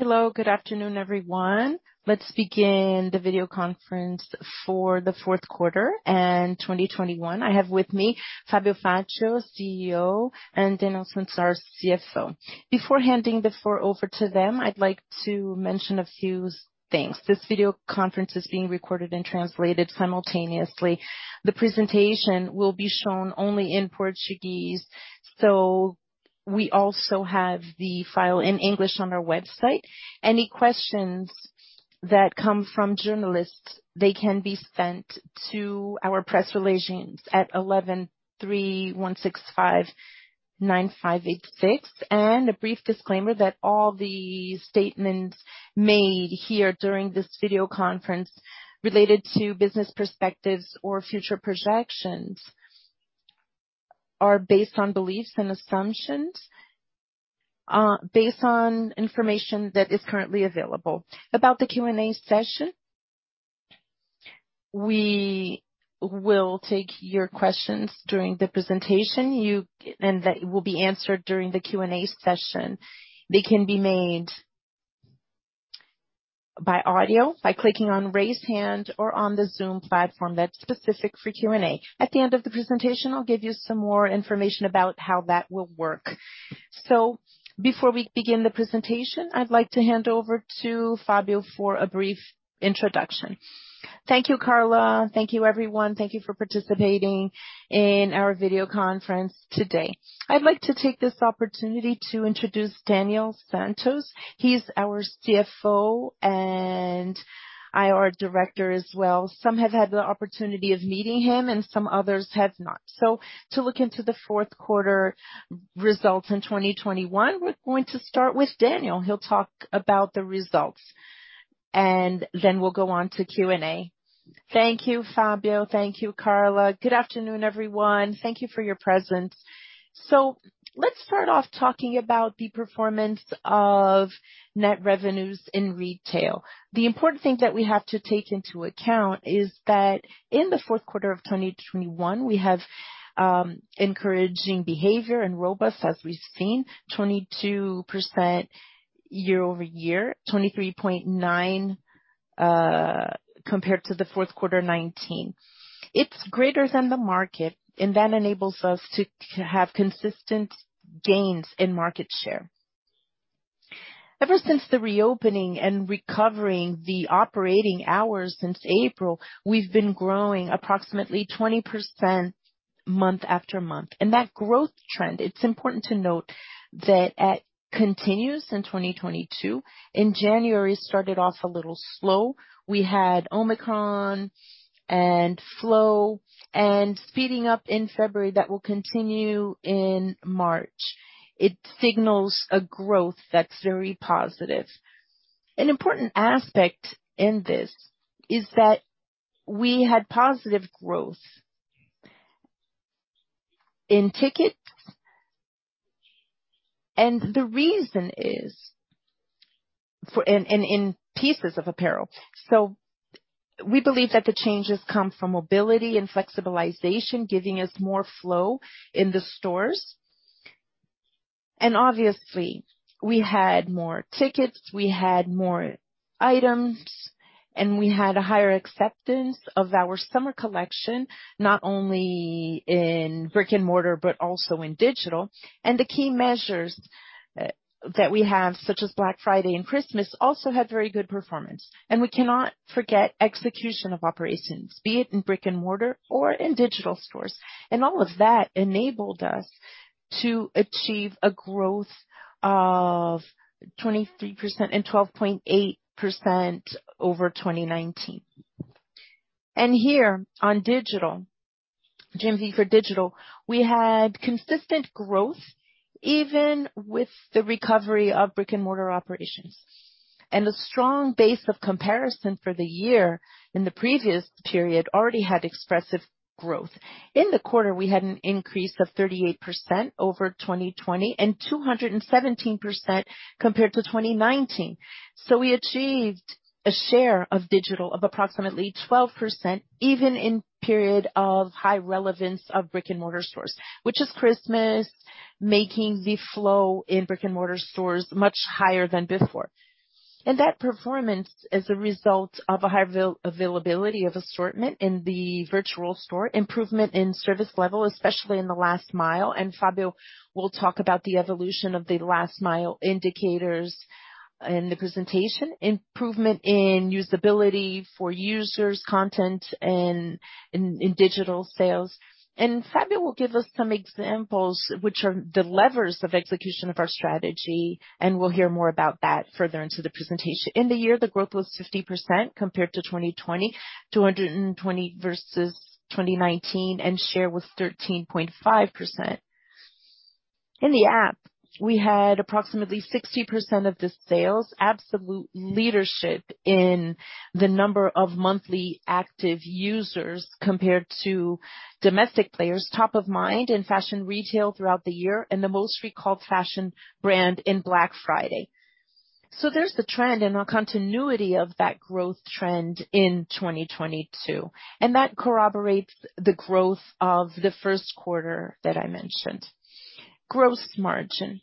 Hello. Good afternoon, everyone. Let's begin the video conference for the Q4 and 2021. I have with me Fabio Faccio, CEO, and Daniel Santos, our CFO. Before handing the floor over to them, I'd like to mention a few things. This video conference is being recorded and translated simultaneously. The presentation will be shown only in Portuguese, so we also have the file in English on our website. Any questions that come from journalists, they can be sent to our press relations at 11 3165 9586. A brief disclaimer that all the statements made here during this video conference related to business perspectives or future projections are based on beliefs and assumptions based on information that is currently available. About the Q&A session, we will take your questions during the presentation, and they will be answered during the Q&A session. They can be made by audio by clicking on raise hand or on the Zoom platform that's specific for Q&A. At the end of the presentation, I'll give you some more information about how that will work. Before we begin the presentation, I'd like to hand over to Fabio for a brief introduction. Thank you, Carla. Thank you, everyone. Thank you for participating in our video conference today. I'd like to take this opportunity to introduce Daniel Santos. He's our CFO and IR Director as well. Some have had the opportunity of meeting him and some others have not. To look into the Q4 results in 2021, we're going to start with Daniel. He'll talk about the results, and then we'll go on to Q&A. Thank you, Fabio. Thank you, Carla. Good afternoon, everyone. Thank you for your presence. Let's start off talking about the performance of net revenues in retail. The important thing that we have to take into account is that in the Q4 of 2021, we have encouraging behavior and robust, as we've seen, 22% year-over-year, 23.9% compared to the Q4 2019. It's greater than the market, and that enables us to have consistent gains in market share. Ever since the reopening and recovering the operating hours since April, we've been growing approximately 20% month after month. That growth trend, it's important to note that it continues in 2022. In January, it started off a little slow. We had Omicron and flow and speeding up in February. That will continue in March. It signals a growth that's very positive. An important aspect in this is that we had positive growth in tickets. The reason is in pieces of apparel. We believe that the changes come from mobility and flexibilization, giving us more flow in the stores. Obviously, we had more tickets, we had more items, and we had a higher acceptance of our summer collection, not only in brick-and-mortar but also in digital. The key measures that we have, such as Black Friday and Christmas, also had very good performance. We cannot forget execution of operations, be it in brick-and-mortar or in digital stores. All of that enabled us to achieve a growth of 23% and 12.8% over 2019. Here on digital GMV for digital, we had consistent growth even with the recovery of brick-and-mortar operations. A strong base of comparison for the year in the previous period already had expressive growth. In the quarter, we had an increase of 38% over 2020 and 217% compared to 2019. We achieved a share of digital of approximately 12%, even in period of high relevance of brick-and-mortar stores, which is Christmas, making the flow in brick-and-mortar stores much higher than before. That performance is a result of a high availability of assortment in the virtual store. Improvement in service level, especially in the last mile. Fabio will talk about the evolution of the last mile indicators in the presentation. Improvement in usability for users, content in digital sales. Fabio will give us some examples which are the levers of execution of our strategy, and we'll hear more about that further into the presentation. In the year, the growth was 50% compared to 2020, 220 versus 2019, and share was 13.5%. In the app, we had approximately 60% of the sales, absolute leadership in the number of monthly active users compared to domestic players, top of mind in fashion retail throughout the year, and the most recalled fashion brand in Black Friday. There's the trend and a continuity of that growth trend in 2022, and that corroborates the growth of the Q1 that I mentioned. Gross margin.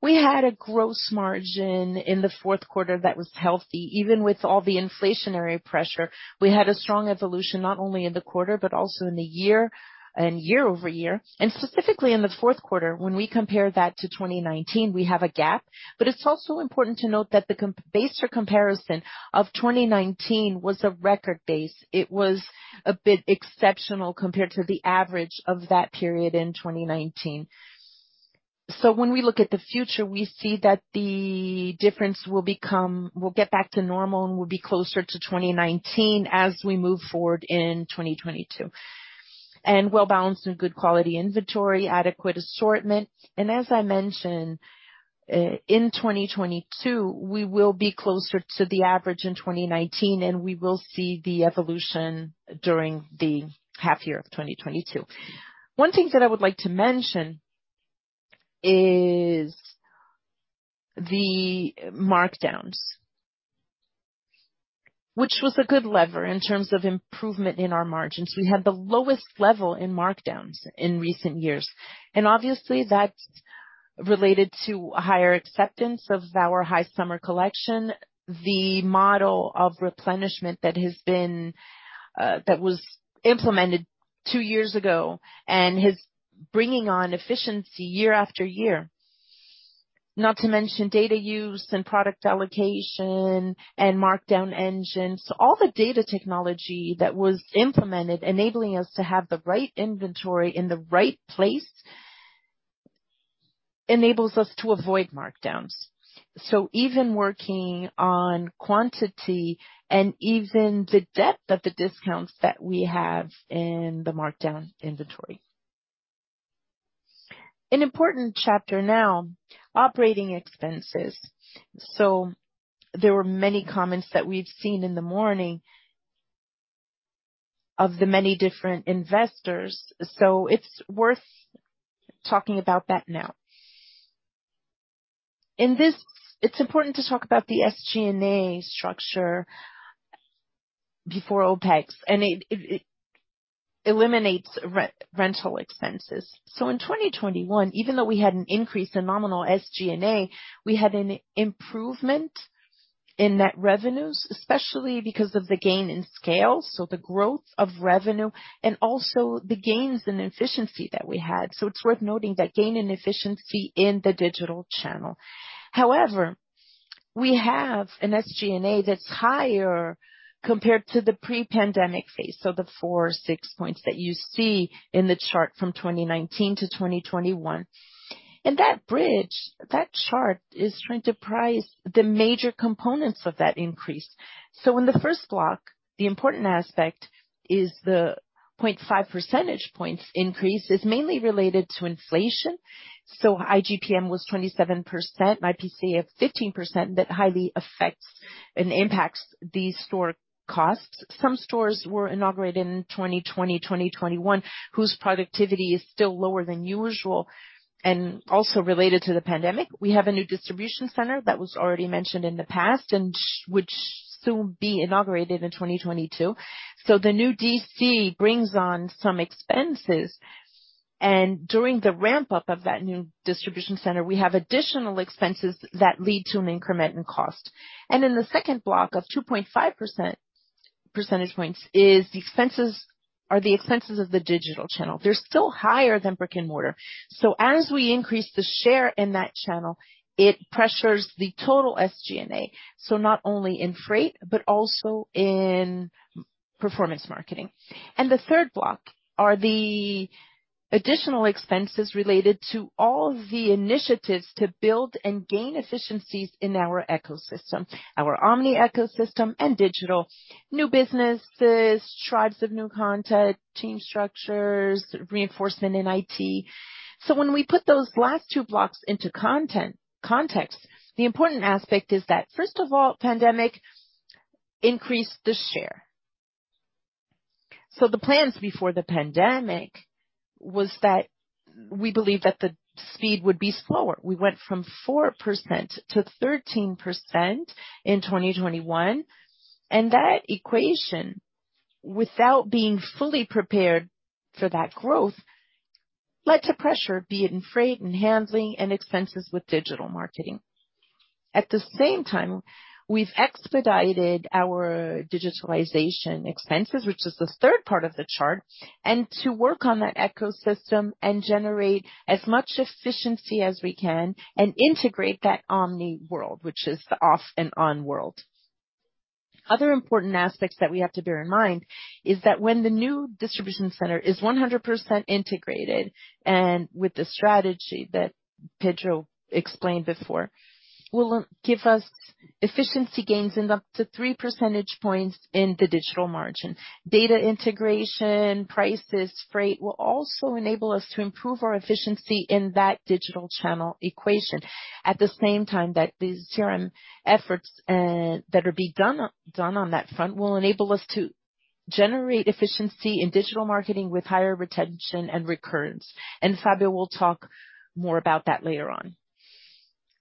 We had a gross margin in the Q4 that was healthy, even with all the inflationary pressure. We had a strong evolution, not only in the quarter but also in the year-over-year, and specifically in the Q4 when we compare that to 2019, we have a gap. It's also important to note that the base for comparison of 2019 was a record base. It was a bit exceptional compared to the average of that period in 2019. When we look at the future, we see that the difference will get back to normal and will be closer to 2019 as we move forward in 2022. Well-balanced and good quality inventory, adequate assortment. As I mentioned, in 2022, we will be closer to the average in 2019, and we will see the evolution during the half year of 2022. One thing that I would like to mention is the markdowns. Which was a good lever in terms of improvement in our margins. We had the lowest level in markdowns in recent years. Obviously that's related to a higher acceptance of our high summer collection, the model of replenishment that has been, that was implemented two years ago and is bringing on efficiency year after year. Not to mention data use and product allocation and markdown engines. All the data technology that was implemented enabling us to have the right inventory in the right place, enables us to avoid markdowns. Even working on quantity and even the depth of the discounts that we have in the markdown inventory. An important chapter now, operating expenses. There were many comments that we've seen in the morning of the many different investors, so it's worth talking about that now. In this, it's important to talk about the SG&A structure before OpEx, and it eliminates re-rental expenses. In 2021, even though we had an increase in nominal SG&A, we had an improvement in net revenues, especially because of the gain in scale, so the growth of revenue and also the gains in efficiency that we had. It's worth noting that gain in efficiency in the digital channel. However, we have an SG&A that's higher compared to the pre-pandemic phase, so the 4.6 points that you see in the chart from 2019-2021. That bridge, that chart is trying to price the major components of that increase. In the first block, the important aspect is the 0.5 percentage points increase is mainly related to inflation. IGPM was 27%, IPCA of 15%. That highly affects and impacts these store costs. Some stores were inaugurated in 2020, 2021, whose productivity is still lower than usual and also related to the pandemic. We have a new distribution center that was already mentioned in the past and which soon be inaugurated in 2022. The new DC brings on some expenses, and during the ramp-up of that new distribution center, we have additional expenses that lead to an increment in cost. In the second block of 2.5 percentage points are the expenses of the digital channel. They're still higher than brick and mortar. As we increase the share in that channel, it pressures the total SG&A. Not only in freight but also in performance marketing. The third block are the additional expenses related to all the initiatives to build and gain efficiencies in our ecosystem, our omni ecosystem and digital. New businesses, tribes of new content, team structures, reinforcement in IT. When we put those last two blocks into context, the important aspect is that first of all, pandemic increased the share. The plans before the pandemic was that we believe that the speed would be slower. We went from 4% to 13% in 2021, and that equation, without being fully prepared for that growth, led to pressure, be it in freight and handling and expenses with digital marketing. At the same time, we've expedited our digitalization expenses, which is the third part of the chart, and to work on that ecosystem and generate as much efficiency as we can and integrate that omni world, which is the offline and online world. Other important aspects that we have to bear in mind is that when the new distribution center is 100% integrated, and with the strategy that Pedro explained before, will give us efficiency gains in up to 3 percentage points in the digital margin. Data integration, prices, freight will also enable us to improve our efficiency in that digital channel equation. At the same time that these CRM efforts that are being done on that front will enable us to generate efficiency in digital marketing with higher retention and recurrence. Fabio will talk more about that later on.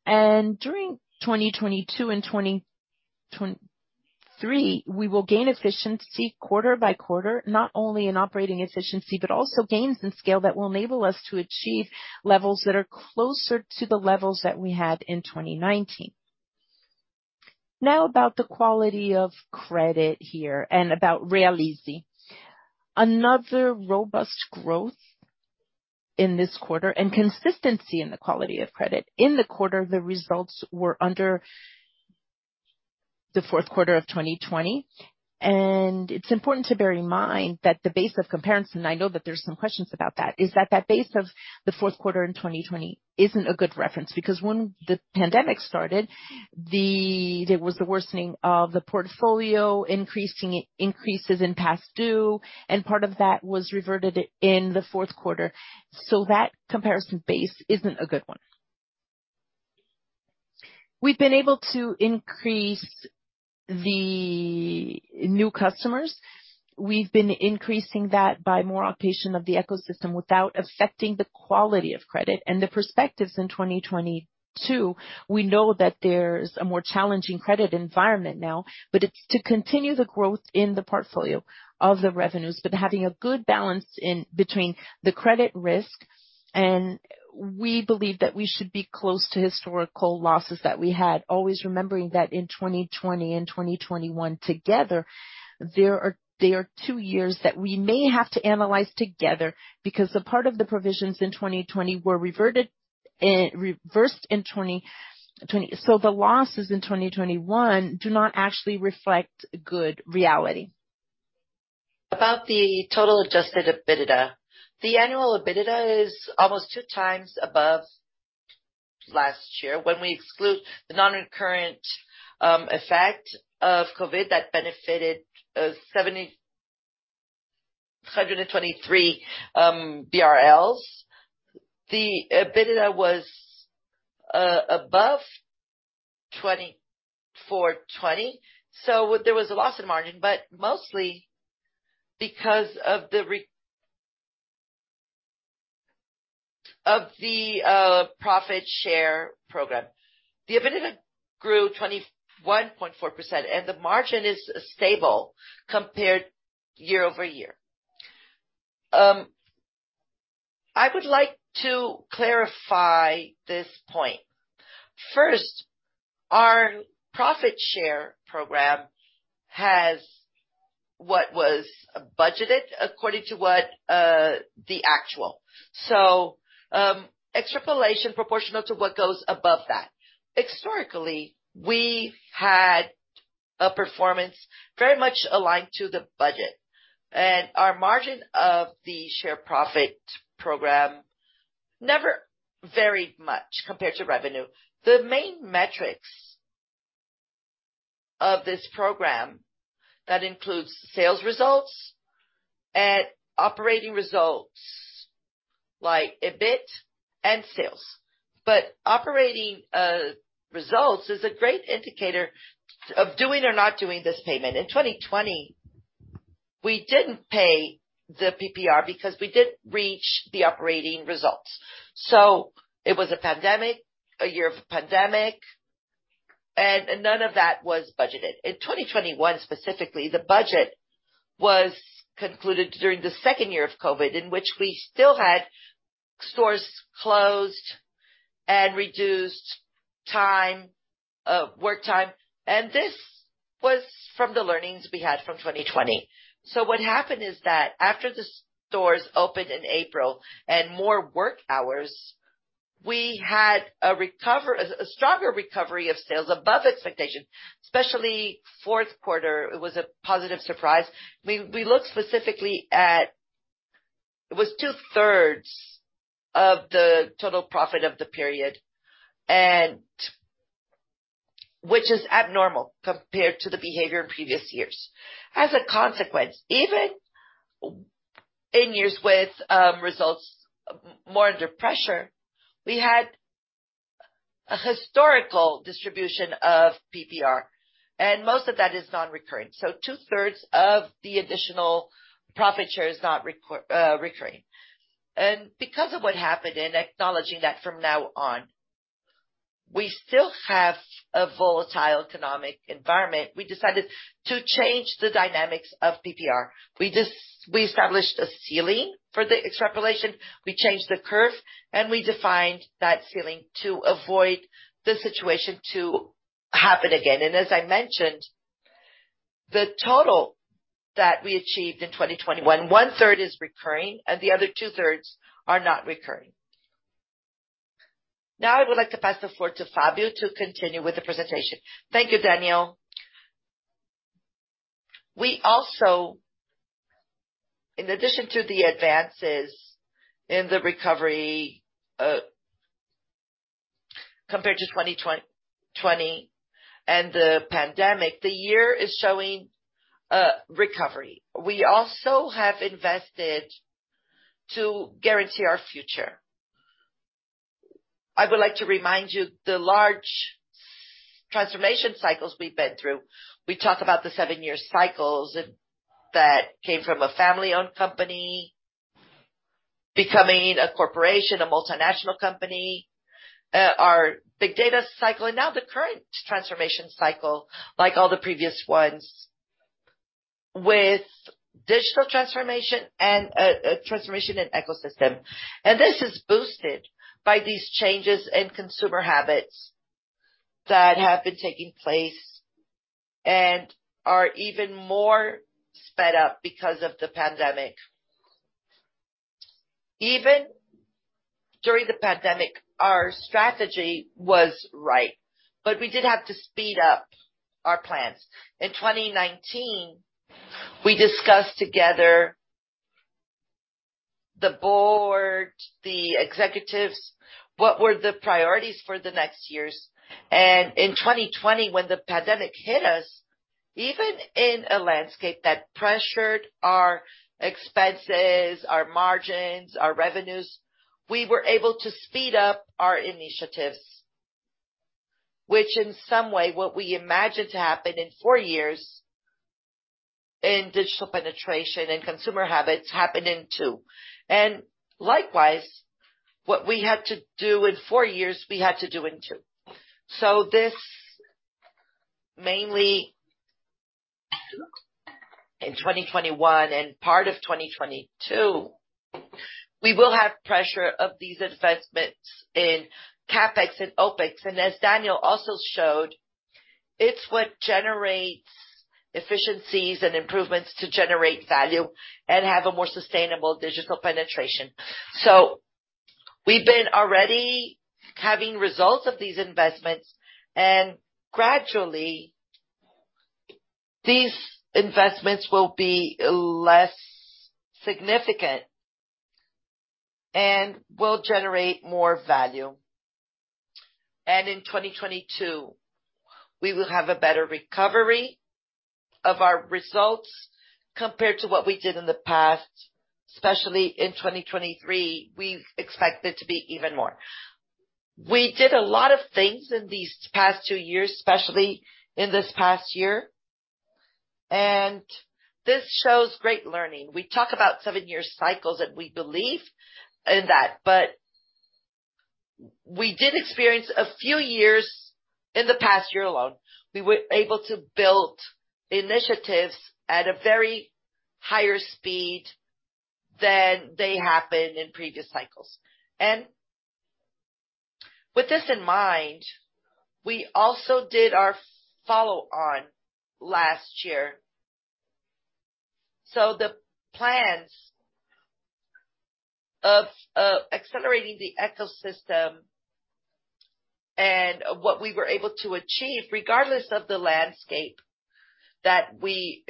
During 2022 and 2023, we will gain efficiency quarter by quarter, not only in operating efficiency, but also gains in scale that will enable us to achieve levels that are closer to the levels that we had in 2019. Now about the quality of credit here and about Realize. Another robust growth in this quarter and consistency in the quality of credit. In the quarter, the results were under the Q4 of 2020. It's important to bear in mind that the base of comparison, and I know that there's some questions about that, is that base of the Q4 in 2020 isn't a good reference because when the pandemic started, there was a worsening of the portfolio, increases in past due, and part of that was reverted in the Q4. That comparison base isn't a good one. We've been able to increase the new customers. We've been increasing that by more occupation of the ecosystem without affecting the quality of credit. The perspectives in 2022, we know that there's a more challenging credit environment now, but it's to continue the growth in the portfolio of the revenues, but having a good balance in between the credit risk. We believe that we should be close to historical losses that we had. Always remembering that in 2020 and 2021 together, they are two years that we may have to analyze together because a part of the provisions in 2020 were reverted, reversed in 2020. The losses in 2021 do not actually reflect true reality. About the total Adjusted EBITDA. The annual EBITDA is almost two times above last year. When we exclude the non-recurring effect of COVID that benefited 723 BRL. The EBITDA was above 24,020. There was a loss in margin, but mostly because of the profit share program. The EBITDA grew 21.4%, and the margin is stable compared year-over-year. I would like to clarify this point. First, our profit share program has what was budgeted according to what the actual. Extrapolation proportional to what goes above that. Historically, we had a performance very much aligned to the budget and our margin of the share profit program never varied much compared to revenue. The main metrics of this program that includes sales results and operating results like EBIT and sales. But operating results is a great indicator of doing or not doing this payment. In 2020 we didn't pay the PPR because we didn't reach the operating results. It was a pandemic, a year of pandemic, and none of that was budgeted. In 2021, specifically, the budget was concluded during the second year of COVID, in which we still had stores closed and reduced time, work time. This was from the learnings we had from 2020. What happened is that after the stores opened in April and more work hours, we had a stronger recovery of sales above expectation, especially Q4, it was a positive surprise. We looked specifically at it. It was 2/3 of the total profit of the period, which is abnormal compared to the behavior in previous years. As a consequence, even in years with results more under pressure, we had a historical distribution of PPR, and most of that is non-recurring. Two-thirds of the additional profit share is not recurring. Because of what happened and acknowledging that from now on, we still have a volatile economic environment, we decided to change the dynamics of PPR. We just established a ceiling for the extrapolation, we changed the curve, and we defined that ceiling to avoid the situation to happen again. As I mentioned, the total that we achieved in 2021, 1/3 is recurring and the other 2/3 are not recurring. Now I would like to pass the floor to Fabio to continue with the presentation. Thank you, Daniel. We also, in addition to the advances in the recovery, compared to 2020 and the pandemic, the year is showing recovery. We also have invested to guarantee our future. I would like to remind you the large transformation cycles we've been through. We talked about the seven-year cycles that came from a family-owned company becoming a corporation, a multinational company, our big data cycle and now the current transformation cycle, like all the previous ones with digital transformation and transformation and ecosystem. This is boosted by these changes in consumer habits that have been taking place and are even more sped up because of the pandemic. Even during the pandemic, our strategy was right, but we did have to speed up our plans. In 2019, we discussed together the board, the executives, what were the priorities for the next years. In 2020, when the pandemic hit us, even in a landscape that pressured our expenses, our margins, our revenues, we were able to speed up our initiatives. Which in some way what we imagined to happen in four years in digital penetration and consumer habits happened in two. Likewise, what we had to do in four years, we had to do in two. This mainly in 2021 and part of 2022, we will have pressure of these investments in CapEx and OpEx. As Daniel also showed, it's what generates efficiencies and improvements to generate value and have a more sustainable digital penetration. We've been already having results of these investments, and gradually these investments will be less significant and will generate more value. In 2022, we will have a better recovery of our results compared to what we did in the past. Especially in 2023, we expect it to be even more. We did a lot of things in these past two years, especially in this past year. This shows great learning. We talk about seven-year cycles, and we believe in that. We did experience a few years in the past year alone. We were able to build initiatives at a very higher speed than they happened in previous cycles. With this in mind, we also did our follow-on last year. The plans of accelerating the ecosystem and what we were able to achieve regardless of the landscape that we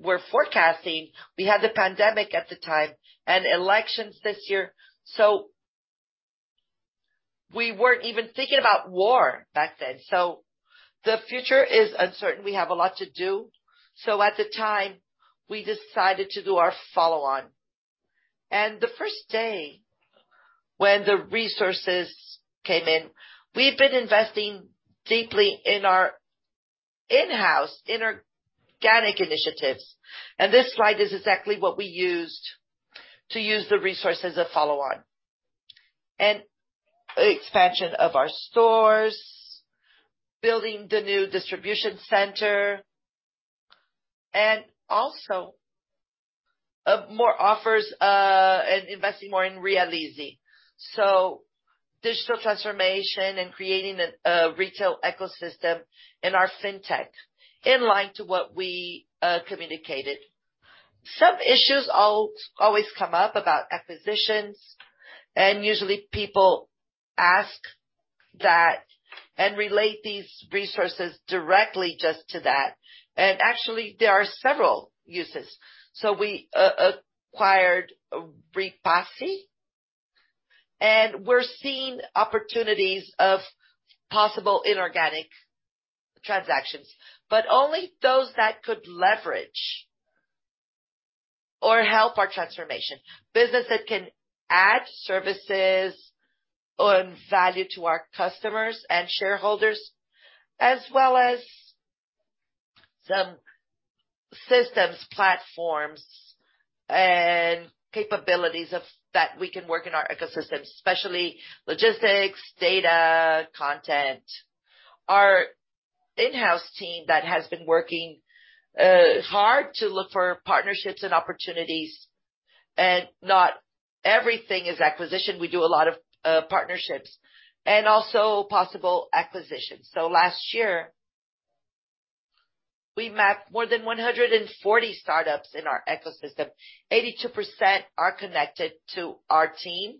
were forecasting. We had the pandemic at the time and elections this year, so we weren't even thinking about war back then. The future is uncertain. We have a lot to do. At the time, we decided to do our follow-on. The first day when the resources came in, we've been investing deeply in our in-house, inorganic initiatives. This slide is exactly what we used to use the resources of follow-on. Expansion of our stores, building the new distribution center, and also of more offers, and investing more in Realize. Digital transformation and creating a retail ecosystem in our fintech in line to what we communicated. Some issues always come up about acquisitions, and usually people ask that and relate these resources directly just to that. Actually, there are several uses. We acquired Repassa, and we're seeing opportunities of possible inorganic transactions, but only those that could leverage or help our transformation. Business that can add services or value to our customers and shareholders, as well as some systems, platforms and capabilities that we can work in our ecosystems, especially logistics, data, content. Our in-house team that has been working hard to look for partnerships and opportunities. Not everything is acquisition. We do a lot of partnerships and also possible acquisitions. Last year, we mapped more than 140 startups in our ecosystem. 82% are connected to our team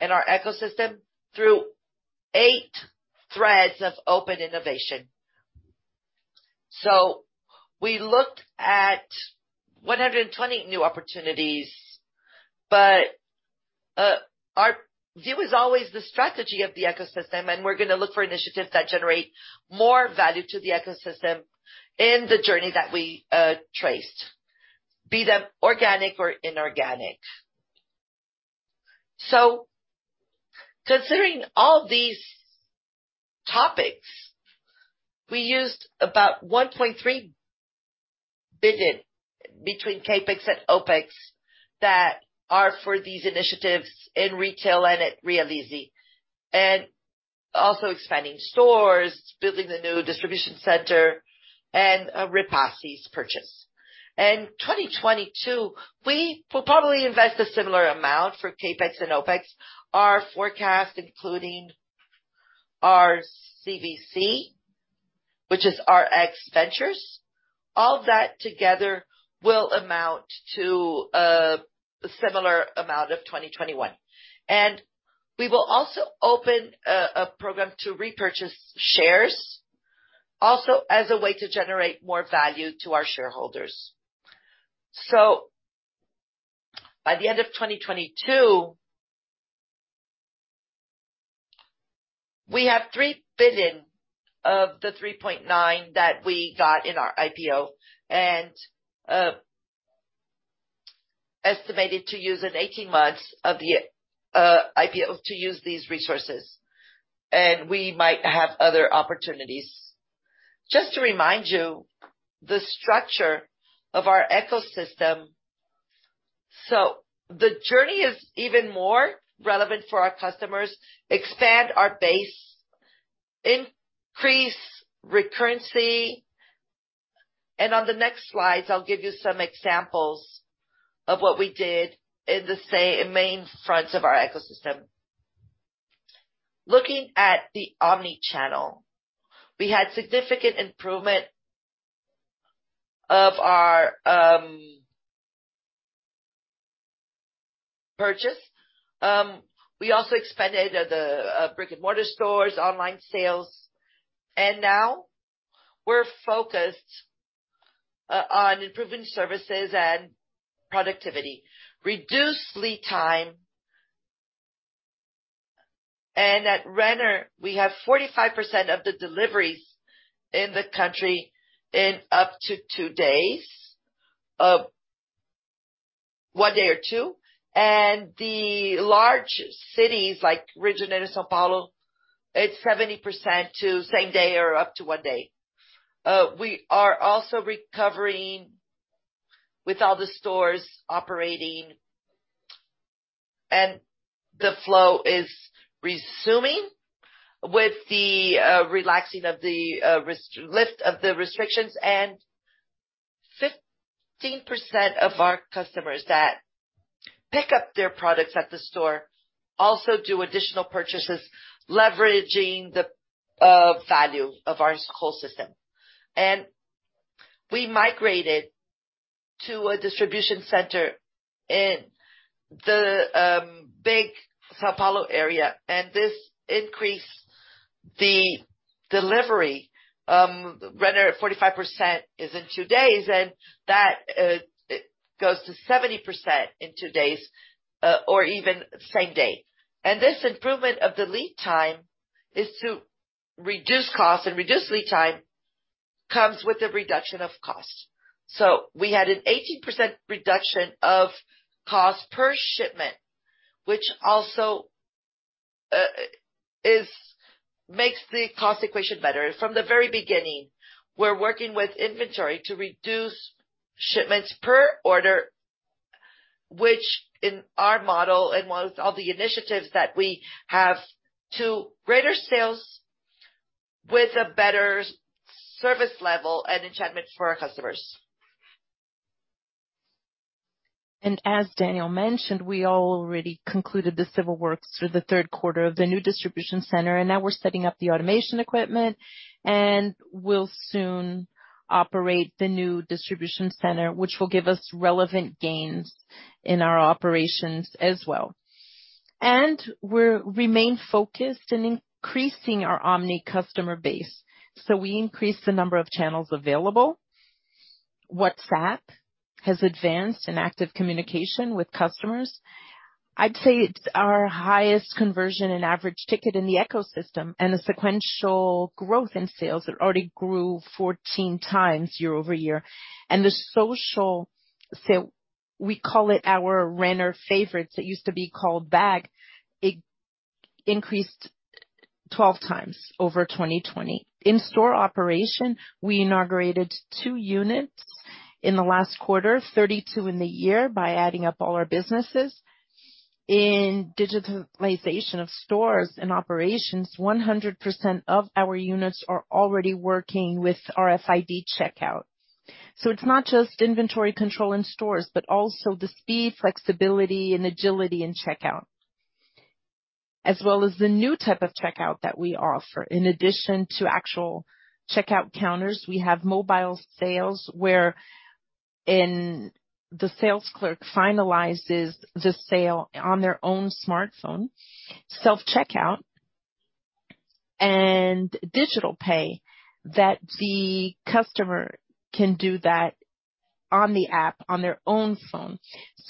and our ecosystem through eight threads of open innovation. We looked at 120 new opportunities, but our view is always the strategy of the ecosystem, and we're gonna look for initiatives that generate more value to the ecosystem in the journey that we traced, be them organic or inorganic. Considering all these topics, we used about 1.3 billion between CapEx and OpEx that are for these initiatives in retail and at Realize, and also expanding stores, building the new distribution center and Repassa's purchase. In 2022, we will probably invest a similar amount for CapEx and OpEx. Our forecast, including our CVC, which is our RX Ventures, all of that together will amount to a similar amount of 2021. We will also open a program to repurchase shares also as a way to generate more value to our shareholders. By the end of 2022, we have 3 billion of the 3.9 billion that we got in our IPO and estimated to use in 18 months of the IPO to use these resources. We might have other opportunities. Just to remind you the structure of our ecosystem. The journey is even more relevant for our customers, expand our base, increase recurrency. On the next slides, I'll give you some examples of what we did in the main fronts of our ecosystem. Looking at the omni channel, we had significant improvement of our purchase. We also expanded the brick-and-mortar stores, online sales, and now we're focused on improving services and productivity, reduce lead time. At Renner, we have 45% of the deliveries in the country in up to two days, one day or two. In the large cities like Rio de Janeiro, São Paulo, it's 70% to same day or up to one day. We are also recovering with all the stores operating, and the flow is resuming with the lift of the restrictions. 15% of our customers that pick up their products at the store also do additional purchases, leveraging the value of our ecosystem. We migrated to a distribution center in the big São Paulo area. This increased the delivery. Renner at 45% is in two days, and that goes to 70% in two days or even same day. This improvement of the lead time is to reduce costs, and reduced lead time comes with the reduction of cost. We had an 18% reduction of cost per shipment, which also makes the cost equation better. From the very beginning, we're working with inventory to reduce shipments per order, which in our model and with all the initiatives that we have to greater sales with a better service level and engagement for our customers. As Daniel mentioned, we already concluded the civil works through the Q3 of the new distribution center, and now we're setting up the automation equipment, and we'll soon operate the new distribution center, which will give us relevant gains in our operations as well. We remain focused in increasing our omni customer base. We increased the number of channels available. WhatsApp has advanced in active communication with customers. I'd say it's our highest conversion in average ticket in the ecosystem, and a sequential growth in sales that already grew 14x year-over-year. We call it our Renner Favorites. It used to be called Bag. It increased 12x over 2020. In-store operation, we inaugurated two units in the last quarter, 32 in the year by adding up all our businesses. In digitalization of stores and operations, 100% of our units are already working with RFID checkout. It's not just inventory control in stores, but also the speed, flexibility and agility in checkout. As well as the new type of checkout that we offer. In addition to actual checkout counters, we have mobile sales where the sales clerk finalizes the sale on their own smartphone, self-checkout and digital pay that the customer can do that on the app on their own phone.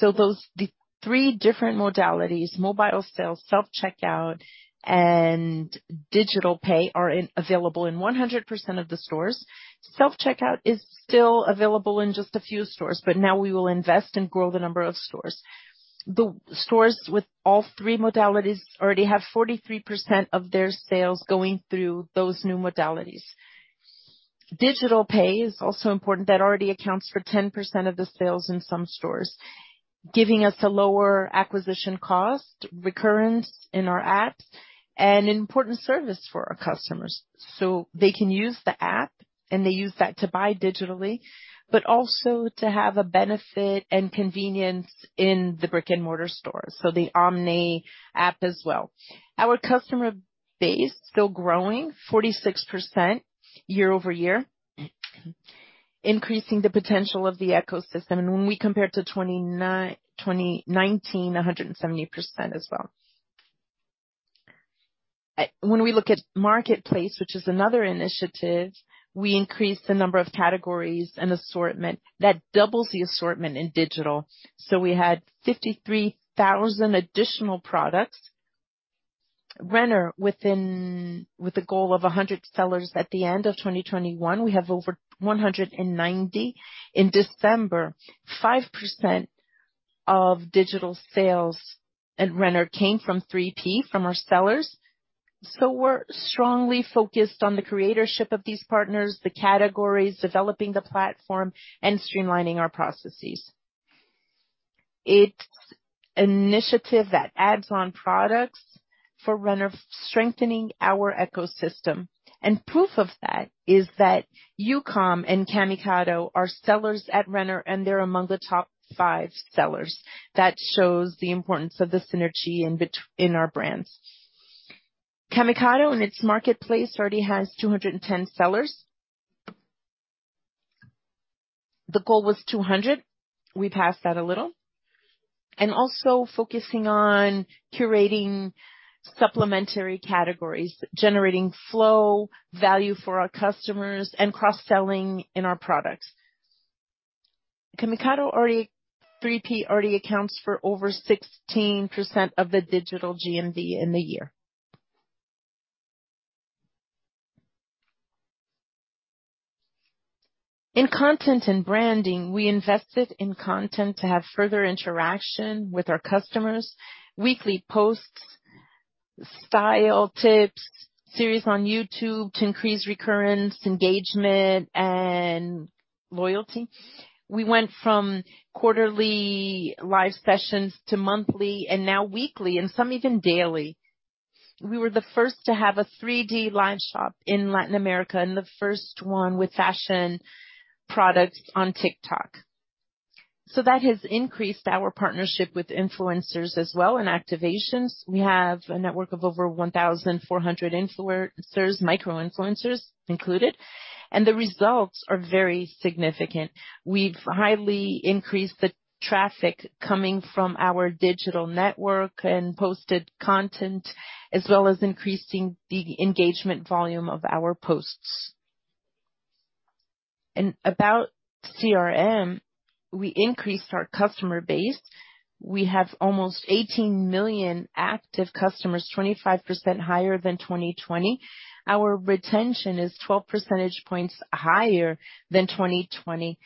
The three different modalities, mobile sales, self-checkout, and digital pay are available in 100% of the stores. Self-checkout is still available in just a few stores. Now we will invest and grow the number of stores. The stores with all three modalities already have 43% of their sales going through those new modalities. Digital pay is also important. That already accounts for 10% of the sales in some stores, giving us a lower acquisition cost, recurrence in our app and an important service for our customers. They can use the app, and they use that to buy digitally, but also to have a benefit and convenience in the brick-and-mortar stores. The omni app as well. Our customer base still growing 46% year-over-year, increasing the potential of the ecosystem. When we compare to 2019, 170% as well. When we look at Marketplace, which is another initiative, we increased the number of categories and assortment. That doubles the assortment in digital. We had 53,000 additional products. Renner with the goal of 100 sellers at the end of 2021. We have over 190. In December, 5% of digital sales at Renner came from 3P, from our sellers. We're strongly focused on the creatorship of these partners, the categories, developing the platform and streamlining our processes. It's an initiative that adds on products for Renner, strengthening our ecosystem. Proof of that is that Youcom and Camicado are sellers at Renner, and they're among the top five sellers. That shows the importance of the synergy between our brands. Camicado in its marketplace already has 210 sellers. The goal was 200. We passed that a little. We're also focusing on curating supplementary categories, generating flow, value for our customers and cross-selling in our products. Camicado's 3P already accounts for over 16% of the digital GMV in the year. In content and branding, we invested in content to have further interaction with our customers. Weekly posts, style tips, series on YouTube to increase recurrence, engagement and loyalty. We went from quarterly live sessions to monthly and now weekly, and some even daily. We were the first to have a 3D live shop in Latin America and the first one with fashion products on TikTok. That has increased our partnership with influencers as well, and activations. We have a network of over 1,400 influencers, micro-influencers included, and the results are very significant. We've highly increased the traffic coming from our digital network and posted content, as well as increasing the engagement volume of our posts. About CRM, we increased our customer base. We have almost 18 million active customers, 25% higher than 2020. Our retention is 12 percentage points higher than 2020.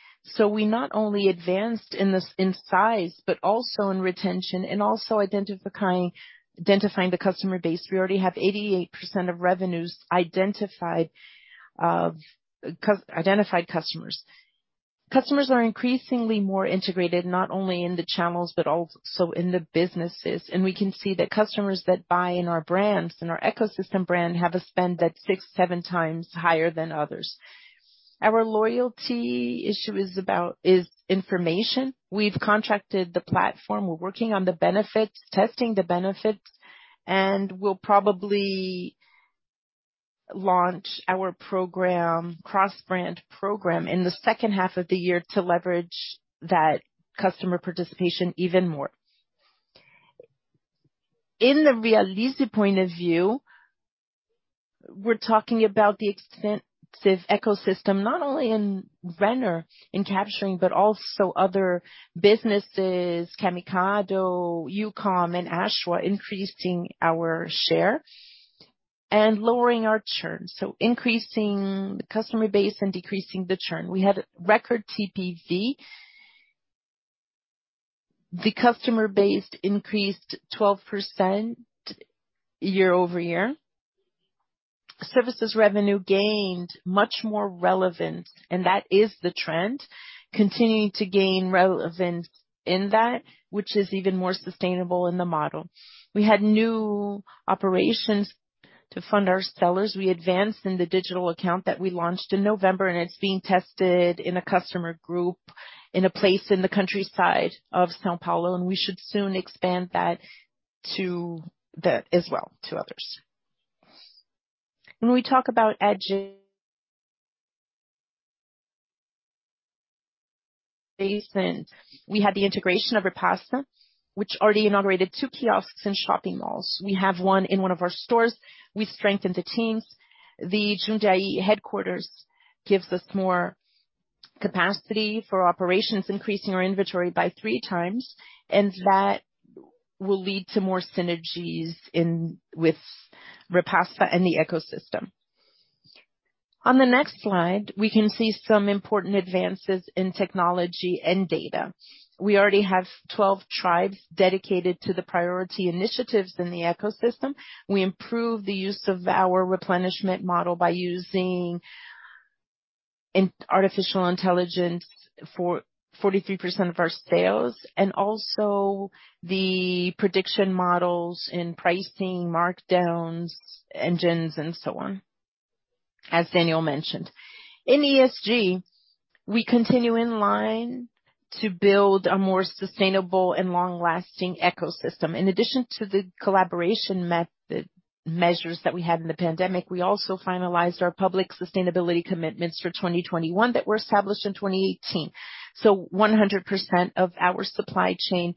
We not only advanced in the size, but also in retention and also identifying the customer base. We already have 88% of revenues identified of identified customers. Customers are increasingly more integrated, not only in the channels but also in the businesses. We can see that customers that buy in our brands, in our ecosystem brand, have a spend that's six, seven times higher than others. Our loyalty issue is about information. We've contracted the platform. We're working on the benefits, testing the benefits, and we'll probably launch our program, cross-brand program in the second half of the year to leverage that customer participation even more. In the Realize point of view, we're talking about the extensive ecosystem, not only in Renner, in capturing, but also other businesses, Camicado, Youcom and Ashua, increasing our share and lowering our churn, so increasing the customer base and decreasing the churn. We had record TPV. The customer base increased 12% year-over-year. Services revenue gained much more relevance, and that is the trend, continuing to gain relevance in that which is even more sustainable in the model. We had new operations to fund our sellers. We advanced in the digital account that we launched in November, and it's being tested in a customer group in a place in the countryside of São Paulo, and we should soon expand that as well to others. When we talk about address base, and we had the integration of Repassa, which already inaugurated two kiosks in shopping malls. We have one in one of our stores. We've strengthened the teams. The Jundiaí headquarters gives us more capacity for operations, increasing our inventory by three times, and that will lead to more synergies with Repassa and the ecosystem. On the next slide, we can see some important advances in technology and data. We already have 12 tribes dedicated to the priority initiatives in the ecosystem. We improve the use of our replenishment model by using artificial intelligence for 43% of our sales, and also the prediction models in pricing markdowns, engines and so on, as Daniel mentioned. In ESG, we continue in line to build a more sustainable and long-lasting ecosystem. In addition to the collaboration method measures that we had in the pandemic, we also finalized our public sustainability commitments for 2021 that were established in 2018. 100% of our supply chain,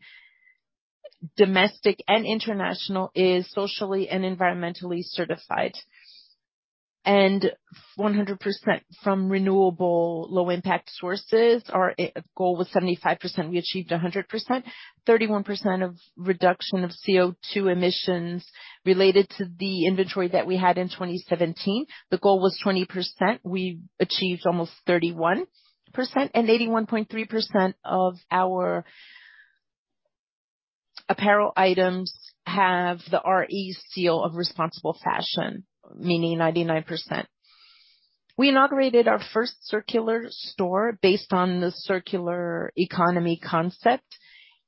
domestic and international, is socially and environmentally certified, and 100% from renewable low impact sources. Our goal was 75%, we achieved 100%. 31% reduction of CO2 emissions related to the inventory that we had in 2017. The goal was 20%. We achieved almost 31%. 81.3% of our apparel items have the RE seal of responsible fashion, meaning 99%. We inaugurated our first circular store based on the circular economy concept,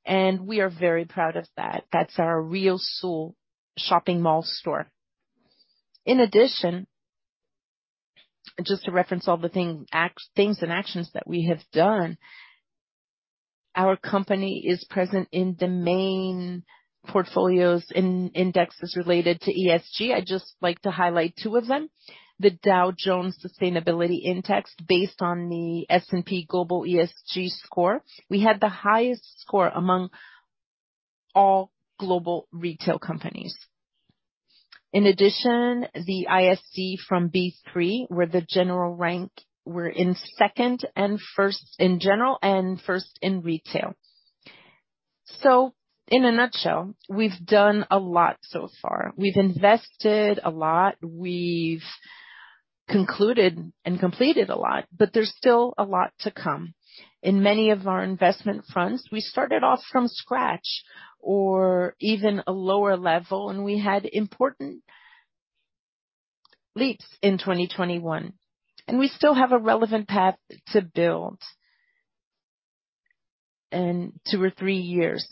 and we are very proud of that. That's our RioSul shopping mall store. In addition, just to reference all the things and actions that we have done, our company is present in the main portfolios in indexes related to ESG. I'd just like to highlight two of them. The Dow Jones Sustainability Index, based on the S&P Global ESG score. We had the highest score among all global retail companies. In addition, the ISE from B3, where the general rank, we're in second and first in general and first in retail. In a nutshell, we've done a lot so far. We've invested a lot. We've concluded and completed a lot, but there's still a lot to come. In many of our investment fronts, we started off from scratch or even a lower level, and we had important leaps in 2021, and we still have a relevant path to build in two or three years.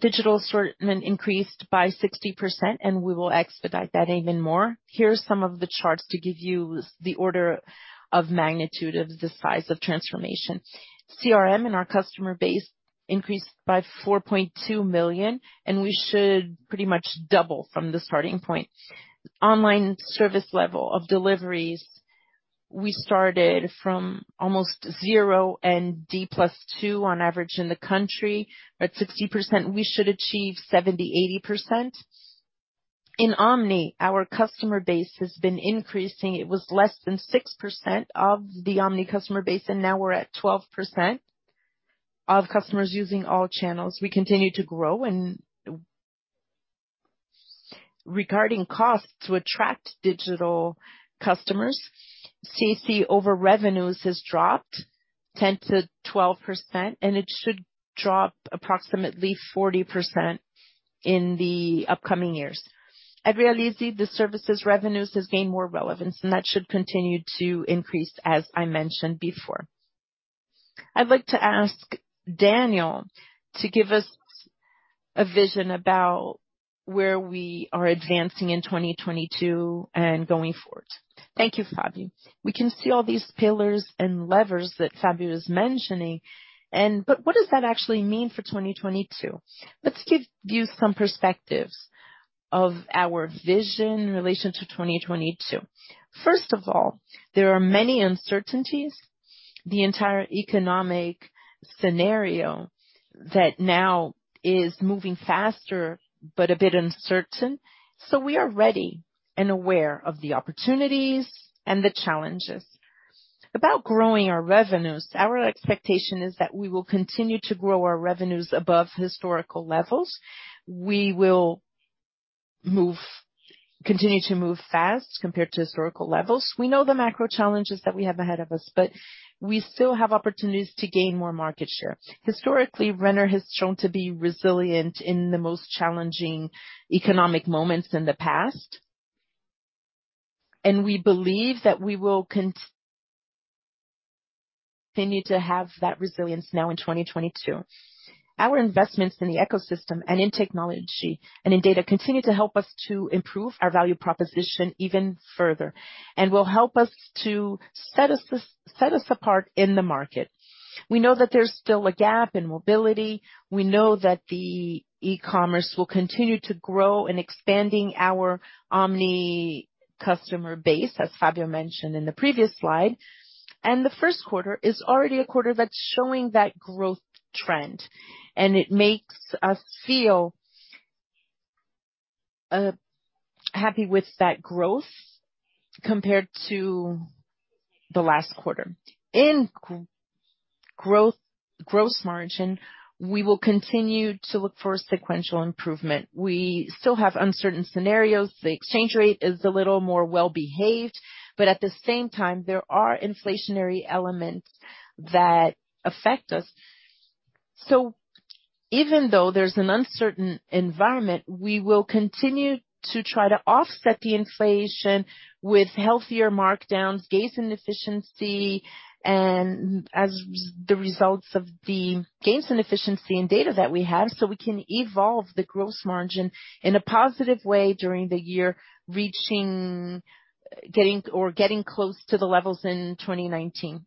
Digital increased by 60%, and we will expedite that even more. Here are some of the charts to give you the order of magnitude of the size of transformation. CRM in our customer base increased by 4.2 million, and we should pretty much double from the starting point. Online service level of deliveries, we started from almost zero and D+2 on average in the country. At 60%, we should achieve 70%-80%. In omni, our customer base has been increasing. It was less than 6% of the omni customer base, and now we're at 12% of customers using all channels. We continue to grow. Regarding costs to attract digital customers, CAC over revenues has dropped 10%-12%, and it should drop approximately 40% in the upcoming years. At Realize, the services revenues has gained more relevance, and that should continue to increase as I mentioned before. I'd like to ask Daniel to give us a vision about where we are advancing in 2022 and going forward. Thank you, Fabio. We can see all these pillars and levers that Fabio is mentioning, but what does that actually mean for 2022? Let's give you some perspectives of our vision in relation to 2022. First of all, there are many uncertainties, the entire economic scenario that now is moving faster but a bit uncertain. We are ready and aware of the opportunities and the challenges. About growing our revenues, our expectation is that we will continue to grow our revenues above historical levels. We will continue to move fast compared to historical levels. We know the macro challenges that we have ahead of us, but we still have opportunities to gain more market share. Historically, Renner has shown to be resilient in the most challenging economic moments in the past, and we believe that we will continue to have that resilience now in 2022. Our investments in the ecosystem and in technology and in data continue to help us to improve our value proposition even further and will help us to set us apart in the market. We know that there's still a gap in mobility. We know that the e-commerce will continue to grow in expanding our omni customer base, as Fabio mentioned in the previous slide. The Q1 is already a quarter that's showing that growth trend, and it makes us feel happy with that growth compared to the last quarter. In gross margin, we will continue to look for a sequential improvement. We still have uncertain scenarios. The exchange rate is a little more well-behaved, but at the same time, there are inflationary elements that affect us. Even though there's an uncertain environment, we will continue to try to offset the inflation with healthier markdowns, gains in efficiency and as the results of the gains in efficiency in data that we have, so we can evolve the gross margin in a positive way during the year, reaching or getting close to the levels in 2019.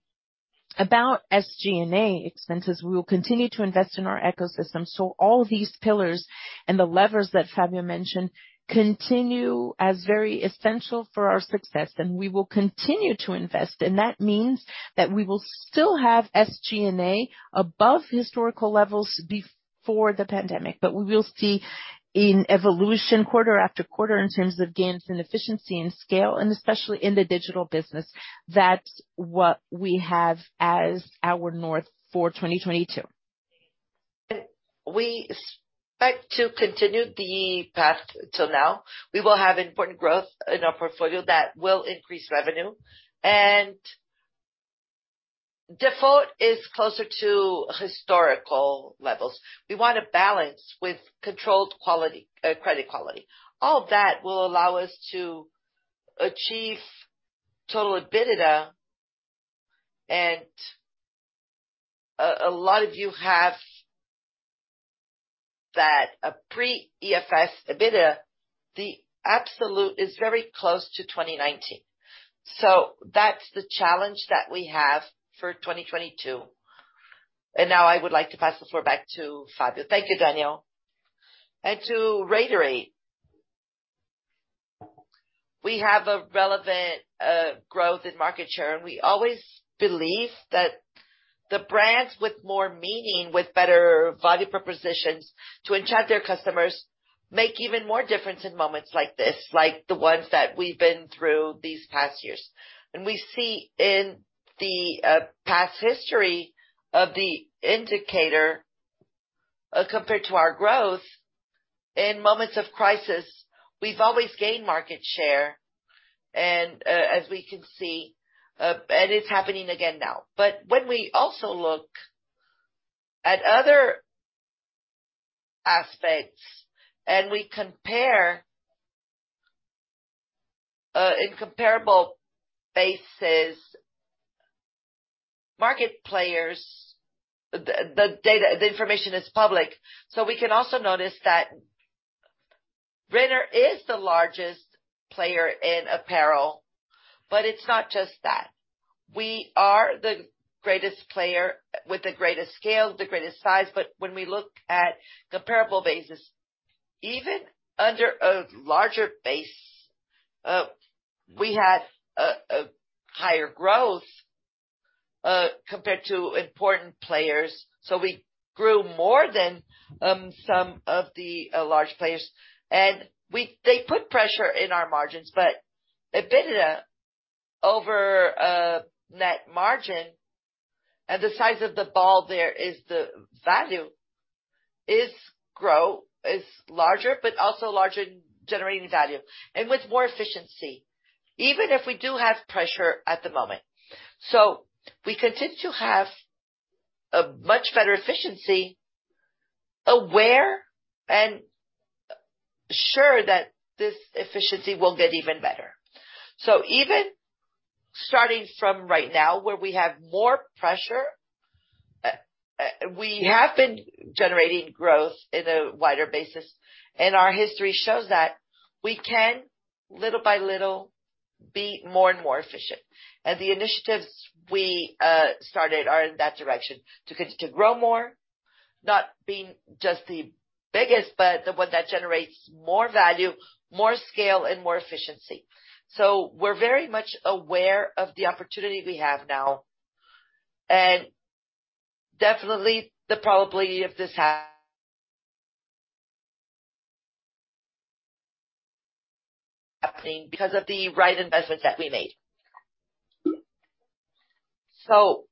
About SG&A expenses, we will continue to invest in our ecosystem. All these pillars and the levers that Fabio mentioned continue as very essential for our success. We will continue to invest. That means that we will still have SG&A above historical levels before the pandemic. We will see in evolution quarter after quarter in terms of gains and efficiency and scale, and especially in the digital business. That's what we have as our north for 2022. We expect to continue the path till now. We will have important growth in our portfolio that will increase revenue. Default is closer to historical levels. We want to balance with controlled quality, credit quality. All of that will allow us to achieve total EBITDA. A lot of you have that pre-IFRS EBITDA, the absolute is very close to 2019. So that's the challenge that we have for 2022. Now I would like to pass the floor back to Fabio. Thank you, Daniel. To reiterate, we have a relevant growth in market share, and we always believe that the brands with more meaning, with better value propositions to enchant their customers make even more difference in moments like this, like the ones that we've been through these past years. We see in the past history of the indicator, compared to our growth, in moments of crisis, we've always gained market share and, as we can see, and it's happening again now. When we also look at other aspects and we compare, in comparable bases market players, the data, the information is public. We can also notice that Renner is the largest player in apparel, but it's not just that. We are the greatest player with the greatest scale, the greatest size. When we look at a comparable basis, even under a larger base, we had a higher growth compared to important players. We grew more than some of the large players, and they put pressure on our margins. EBITDA over net margin and the size of the base there is the value is larger but also larger generating value and with more efficiency, even if we do have pressure at the moment. We continue to have a much better efficiency, aware and sure that this efficiency will get even better. Even starting from right now, where we have more pressure, we have been generating growth in a wider basis, and our history shows that we can, little by little, be more and more efficient. The initiatives we started are in that direction. To grow more, not being just the biggest, but the one that generates more value, more scale, and more efficiency. We're very much aware of the opportunity we have now and definitely the probability of this happening because of the right investments that we made. We're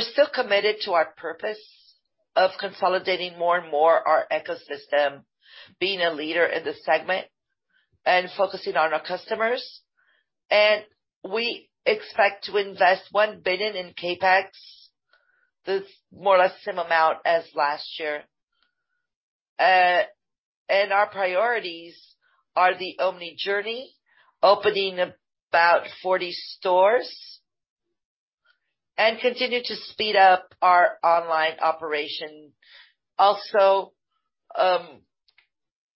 still committed to our purpose of consolidating more and more our ecosystem, being a leader in the segment and focusing on our customers. We expect to invest 1 billion in CapEx. That's more or less same amount as last year. Our priorities are the omni journey, opening about 40 stores and continue to speed up our online operation. Also,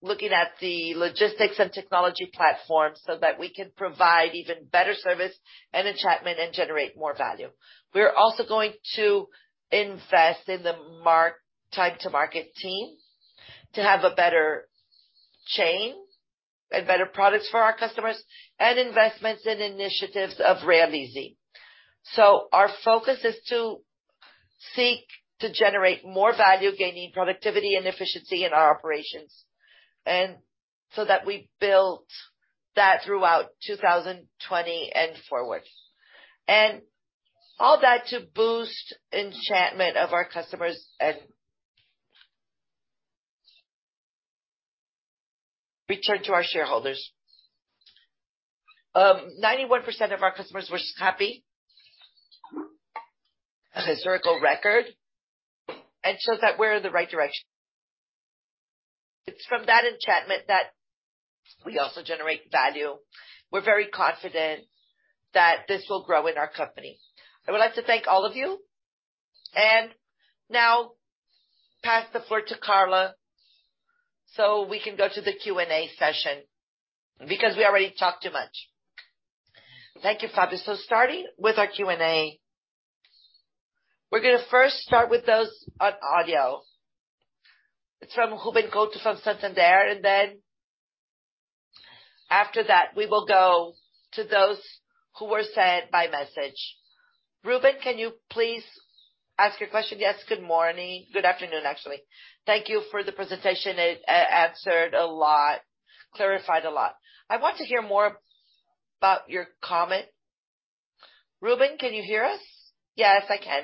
looking at the logistics and technology platform so that we can provide even better service and engagement and generate more value. We're also going to invest in the time to market team to have a better chain and better products for our customers and investments in initiatives of Realize. Our focus is to seek to generate more value, gaining productivity and efficiency in our operations. That we built that throughout 2020 and forward. All that to boost enchantment of our customers and return to our shareholders. 91% of our customers were happy, a historical record that shows that we're in the right direction. It's from that enchantment that we also generate value. We're very confident that this will grow in our company. I would like to thank all of you, and now pass the floor to Carla so we can go to the Q&A session, because we already talked too much. Thank you, Fabio. Starting with our Q&A. We're gonna first start with those on audio. It's from Ruben Couto from Santander, and then after that, we will go to those who were sent by message. Ruben, can you please ask your question? Yes, good morning. Good afternoon, actually. Thank you for the presentation. It answered a lot, clarified a lot. I want to hear more about your comment. Ruben, can you hear us? Yes, I can.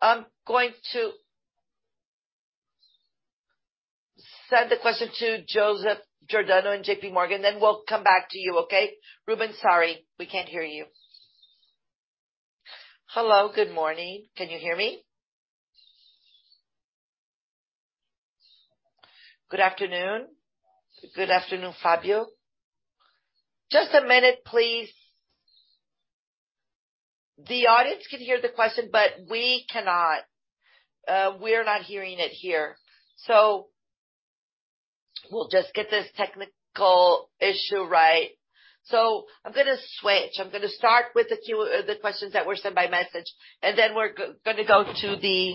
I'm going to send the question to Joseph Giordano in JPMorgan, then we'll come back to you, okay? Ruben, sorry, we can't hear you. Hello, good morning. Can you hear me? Good afternoon. Good afternoon, Fabio. Just a minute, please. The audience can hear the question, but we cannot. We're not hearing it here. So we'll just get this technical issue right. So I'm gonna switch. I'm gonna start with a few of the questions that were sent by message, and then we're gonna go to the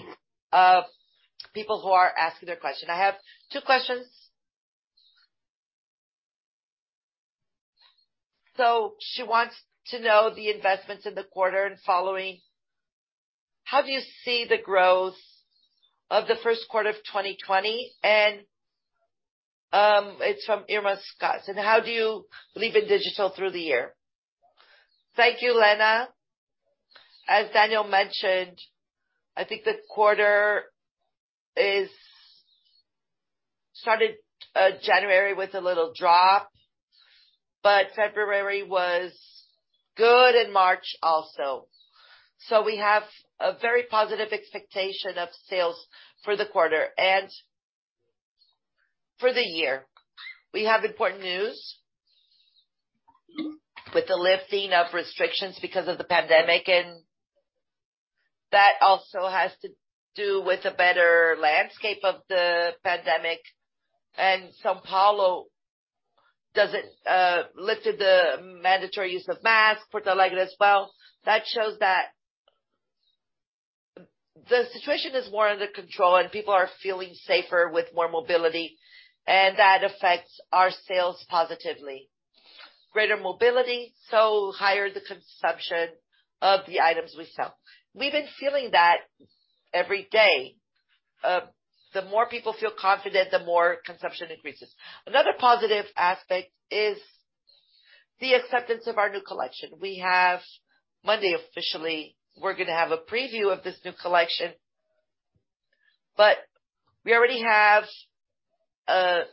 people who are asking their question. I have two questions. She wants to know the investments in the quarter and following. How do you see the growth of the Q1 of 2020? It's from Irma Sgarz. How do you believe in digital through the year? Thank you, Irma. As Daniel mentioned, I think the quarter started January with a little drop, but February was good, and March also. We have a very positive expectation of sales for the quarter and for the year. We have important news with the lifting of restrictions because of the pandemic, and that also has to do with the better landscape of the pandemic. São Paulo has lifted the mandatory use of mask, Porto Alegre as well. That shows that the situation is more under control and people are feeling safer with more mobility, and that affects our sales positively. Greater mobility, so higher the consumption of the items we sell. We've been feeling that every day. The more people feel confident, the more consumption increases. Another positive aspect is the acceptance of our new collection. Monday, officially, we're gonna have a preview of this new collection, but we already have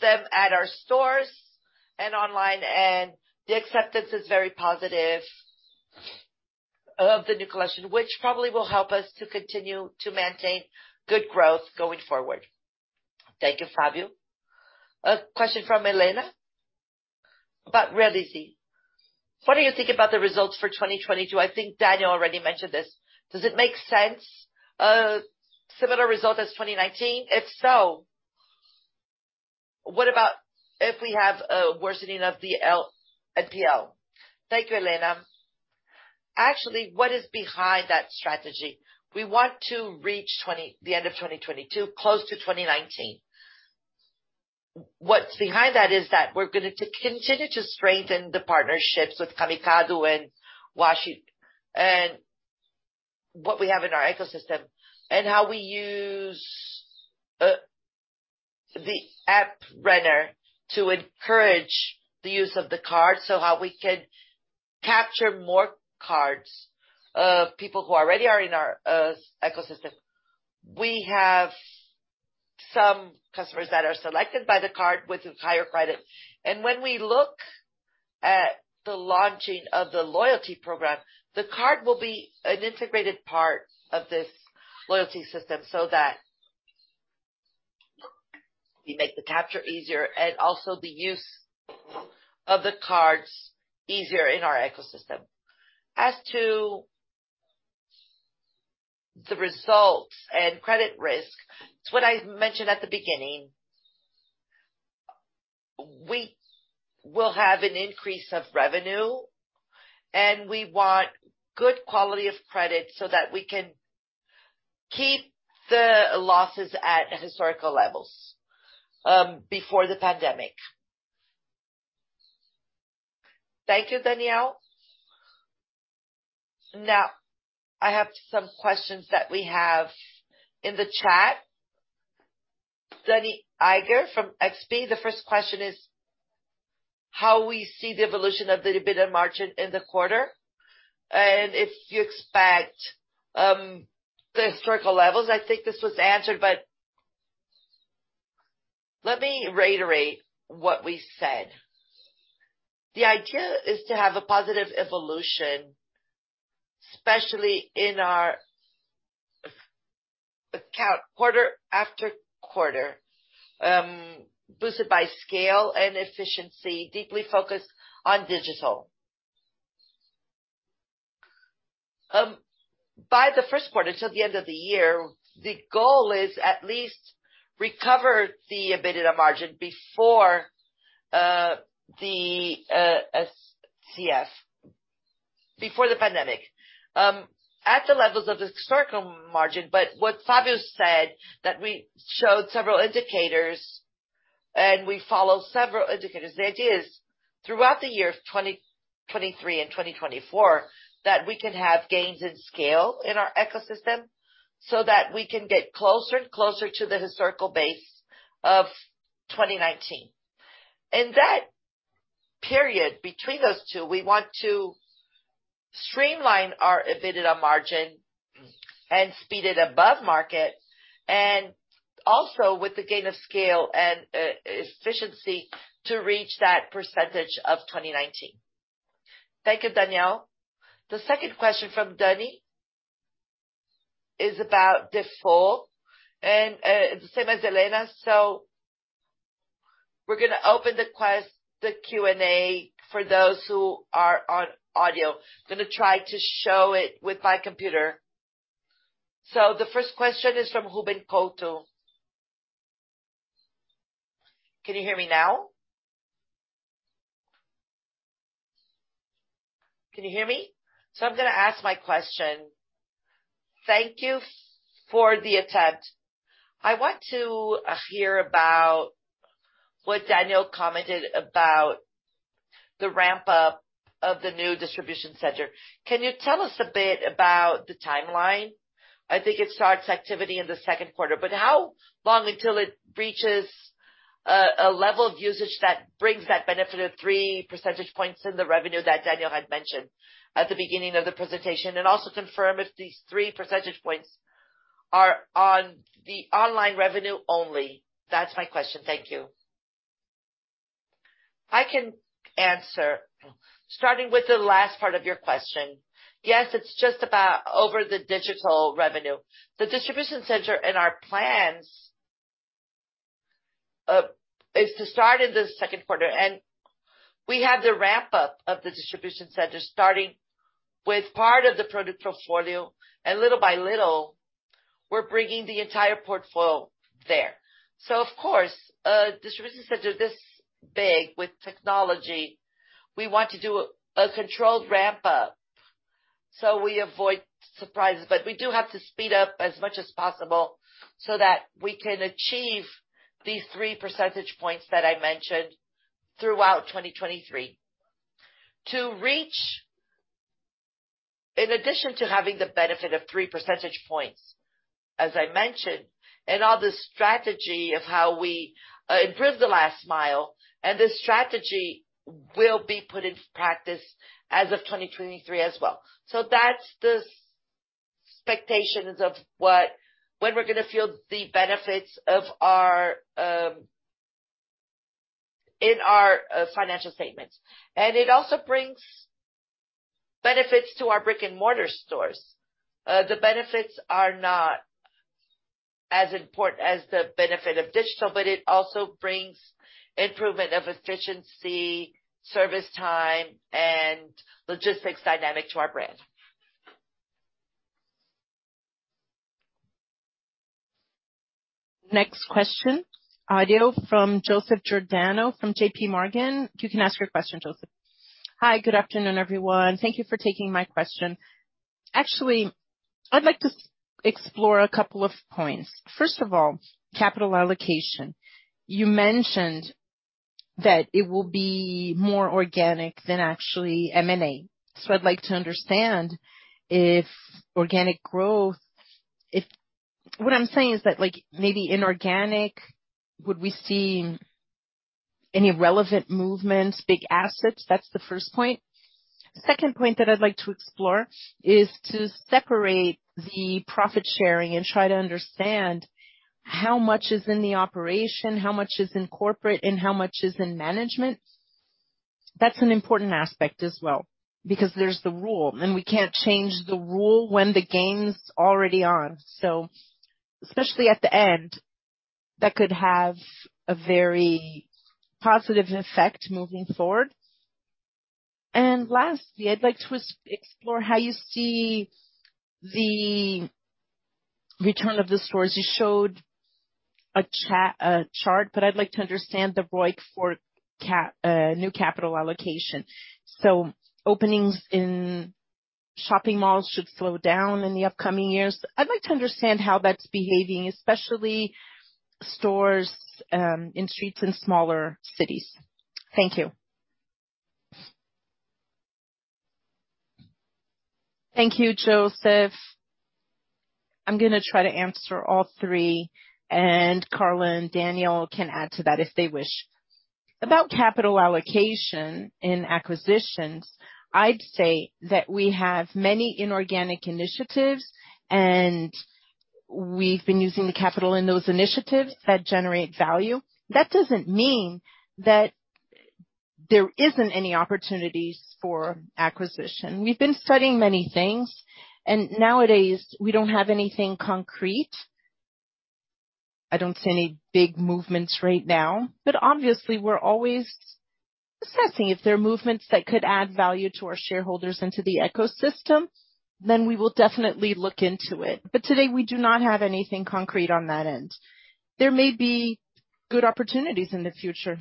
them at our stores and online, and the acceptance is very positive of the new collection, which probably will help us to continue to maintain good growth going forward. Thank you, Fabio. A question from Irma about Realize. What do you think about the results for 2022? I think Daniel already mentioned this. Does it make sense, similar result as 2019? If so, what about if we have a worsening of the NPL? Thank you, Irma. Actually, what is behind that strategy, we want to reach the end of 2022 close to 2019. What's behind that is that we're gonna continue to strengthen the partnerships with Camicado and what we have in our ecosystem, and how we use the Renner App to encourage the use of the card, so how we can capture more cards of people who already are in our ecosystem. We have some customers that are selected by the card with its higher credit. When we look at the launching of the loyalty program, the card will be an integrated part of this loyalty system, so that we make the capture easier and also the use of the cards easier in our ecosystem. As to the results and credit risk, it's what I mentioned at the beginning. We will have an increase of revenue, and we want good quality of credit so that we can keep the losses at historical levels before the pandemic. Thank you, Daniel. Now I have some questions that we have in the chat. Dannie Eiger from XP. The first question is how we see the evolution of the EBITDA margin in the quarter, and if you expect the historical levels. I think this was answered, but let me reiterate what we said. The idea is to have a positive evolution, especially in our P&L, quarter after quarter, boosted by scale and efficiency, deeply focused on digital. By the Q1 until the end of the year, the goal is to at least recover the EBITDA margin before the pandemic, at the levels of the historical margin. As Fabio said, we showed several indicators and we follow several indicators. The idea is throughout the year of 2023 and 2024, that we can have gains in scale in our ecosystem so that we can get closer and closer to the historical base of 2019. In that period, between those two, we want to streamline our EBITDA margin and see it above market and also with the gain of scale and efficiency to reach that percentage of 2019. Thank you, Daniel. The second question from Danny is about default and, the same as Irma. We're gonna open the Q&A for those who are on audio. Gonna try to show it with my computer. The first question is from Ruben Couto. Can you hear me now? Can you hear me? I'm gonna ask my question. Thank you for the attempt. I want to hear about what Daniel commented about the ramp up of the new distribution center. Can you tell us a bit about the timeline? I think it starts activity in the Q2, but how long until it reaches a level of usage that brings that benefit of three percentage points in the revenue that Daniel had mentioned at the beginning of the presentation? And also confirm if these three percentage points are on the online revenue only. That's my question. Thank you. I can answer. Starting with the last part of your question. Yes, it's just about over the digital revenue. The distribution center in our plans is to start in the Q2, and we have the ramp up of the distribution center starting with part of the product portfolio. Little by little, we're bringing the entire portfolio there. Of course, a distribution center this big with technology, we want to do a controlled ramp up so we avoid surprises. We do have to speed up as much as possible so that we can achieve these three percentage points that I mentioned throughout 2023. In addition to having the benefit of three percentage points, as I mentioned, and all the strategy of how we improve the last mile, and this strategy will be put into practice as of 2023 as well. That's the expectations of what, when we're gonna feel the benefits of our in our financial statements. It also brings benefits to our brick-and-mortar stores. The benefits are not as important as the benefit of digital, but it also brings improvement of efficiency, service time, and logistics dynamic to our brand. Next question. Audio from Joseph Giordano from JPMorgan. You can ask your question, Joseph. Hi, good afternoon, everyone. Thank you for taking my question. Actually, I'd like to explore a couple of points. First of all, capital allocation. You mentioned that it will be more organic than actually M&A. I'd like to understand what I'm saying is that, like maybe inorganic, would we see any relevant movements, big assets? That's the first point. Second point that I'd like to explore is to separate the profit sharing and try to understand how much is in the operation, how much is in corporate, and how much is in management. That's an important aspect as well, because there's the rule, and we can't change the rule when the game's already on. Especially at the end, that could have a very positive effect moving forward. Lastly, I'd like to explore how you see the return of the stores you showed a chart, but I'd like to understand the ROIC for CapEx new capital allocation. Openings in shopping malls should slow down in the upcoming years. I'd like to understand how that's behaving, especially stores in streets in smaller cities. Thank you. Thank you, Joseph. I'm gonna try to answer all three, and Carla and Daniel can add to that if they wish. About capital allocation in acquisitions, I'd say that we have many inorganic initiatives, and we've been using the capital in those initiatives that generate value. That doesn't mean that there isn't any opportunities for acquisition. We've been studying many things, and nowadays we don't have anything concrete. I don't see any big movements right now, but obviously we're always assessing. If there are movements that could add value to our shareholders into the ecosystem, then we will definitely look into it. Today we do not have anything concrete on that end. There may be good opportunities in the future.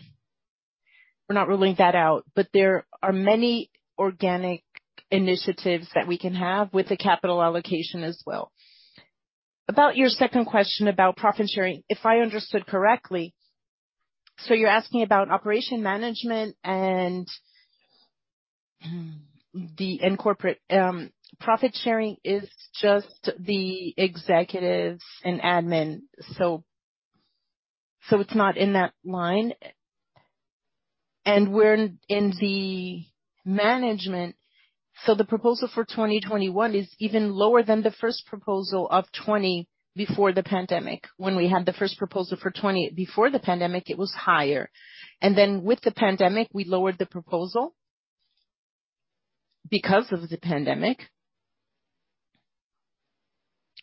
We're not ruling that out. There are many organic initiatives that we can have with the capital allocation as well. About your second question about profit sharing, if I understood correctly, you're asking about operations management and corporate. Profit sharing is just the executives and admin. It's not in that line. We're in the management. The proposal for 2021 is even lower than the first proposal of 2020 before the pandemic. When we had the first proposal for 2020 before the pandemic, it was higher. With the pandemic, we lowered the proposal because of the pandemic.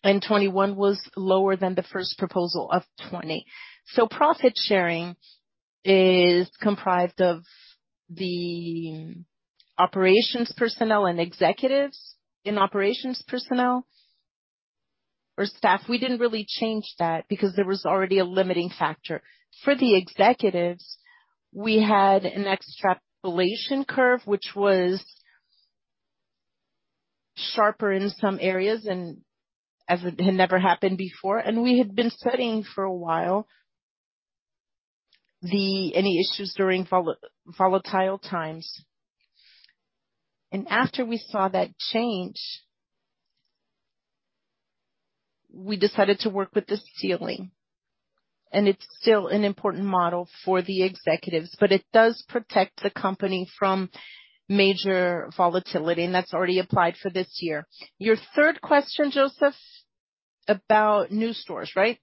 2021 was lower than the first proposal of 2020. Profit sharing is comprised of the operations personnel and executives in operations personnel or staff. We didn't really change that because there was already a limiting factor. For the executives, we had an extrapolation curve which was sharper in some areas and as it had never happened before, and we had been studying for a while the any issues during volatile times. After we saw that change, we decided to work with the ceiling, and it's still an important model for the executives, but it does protect the company from major volatility, and that's already applied for this year. Your third question, Joseph, about new stores, right?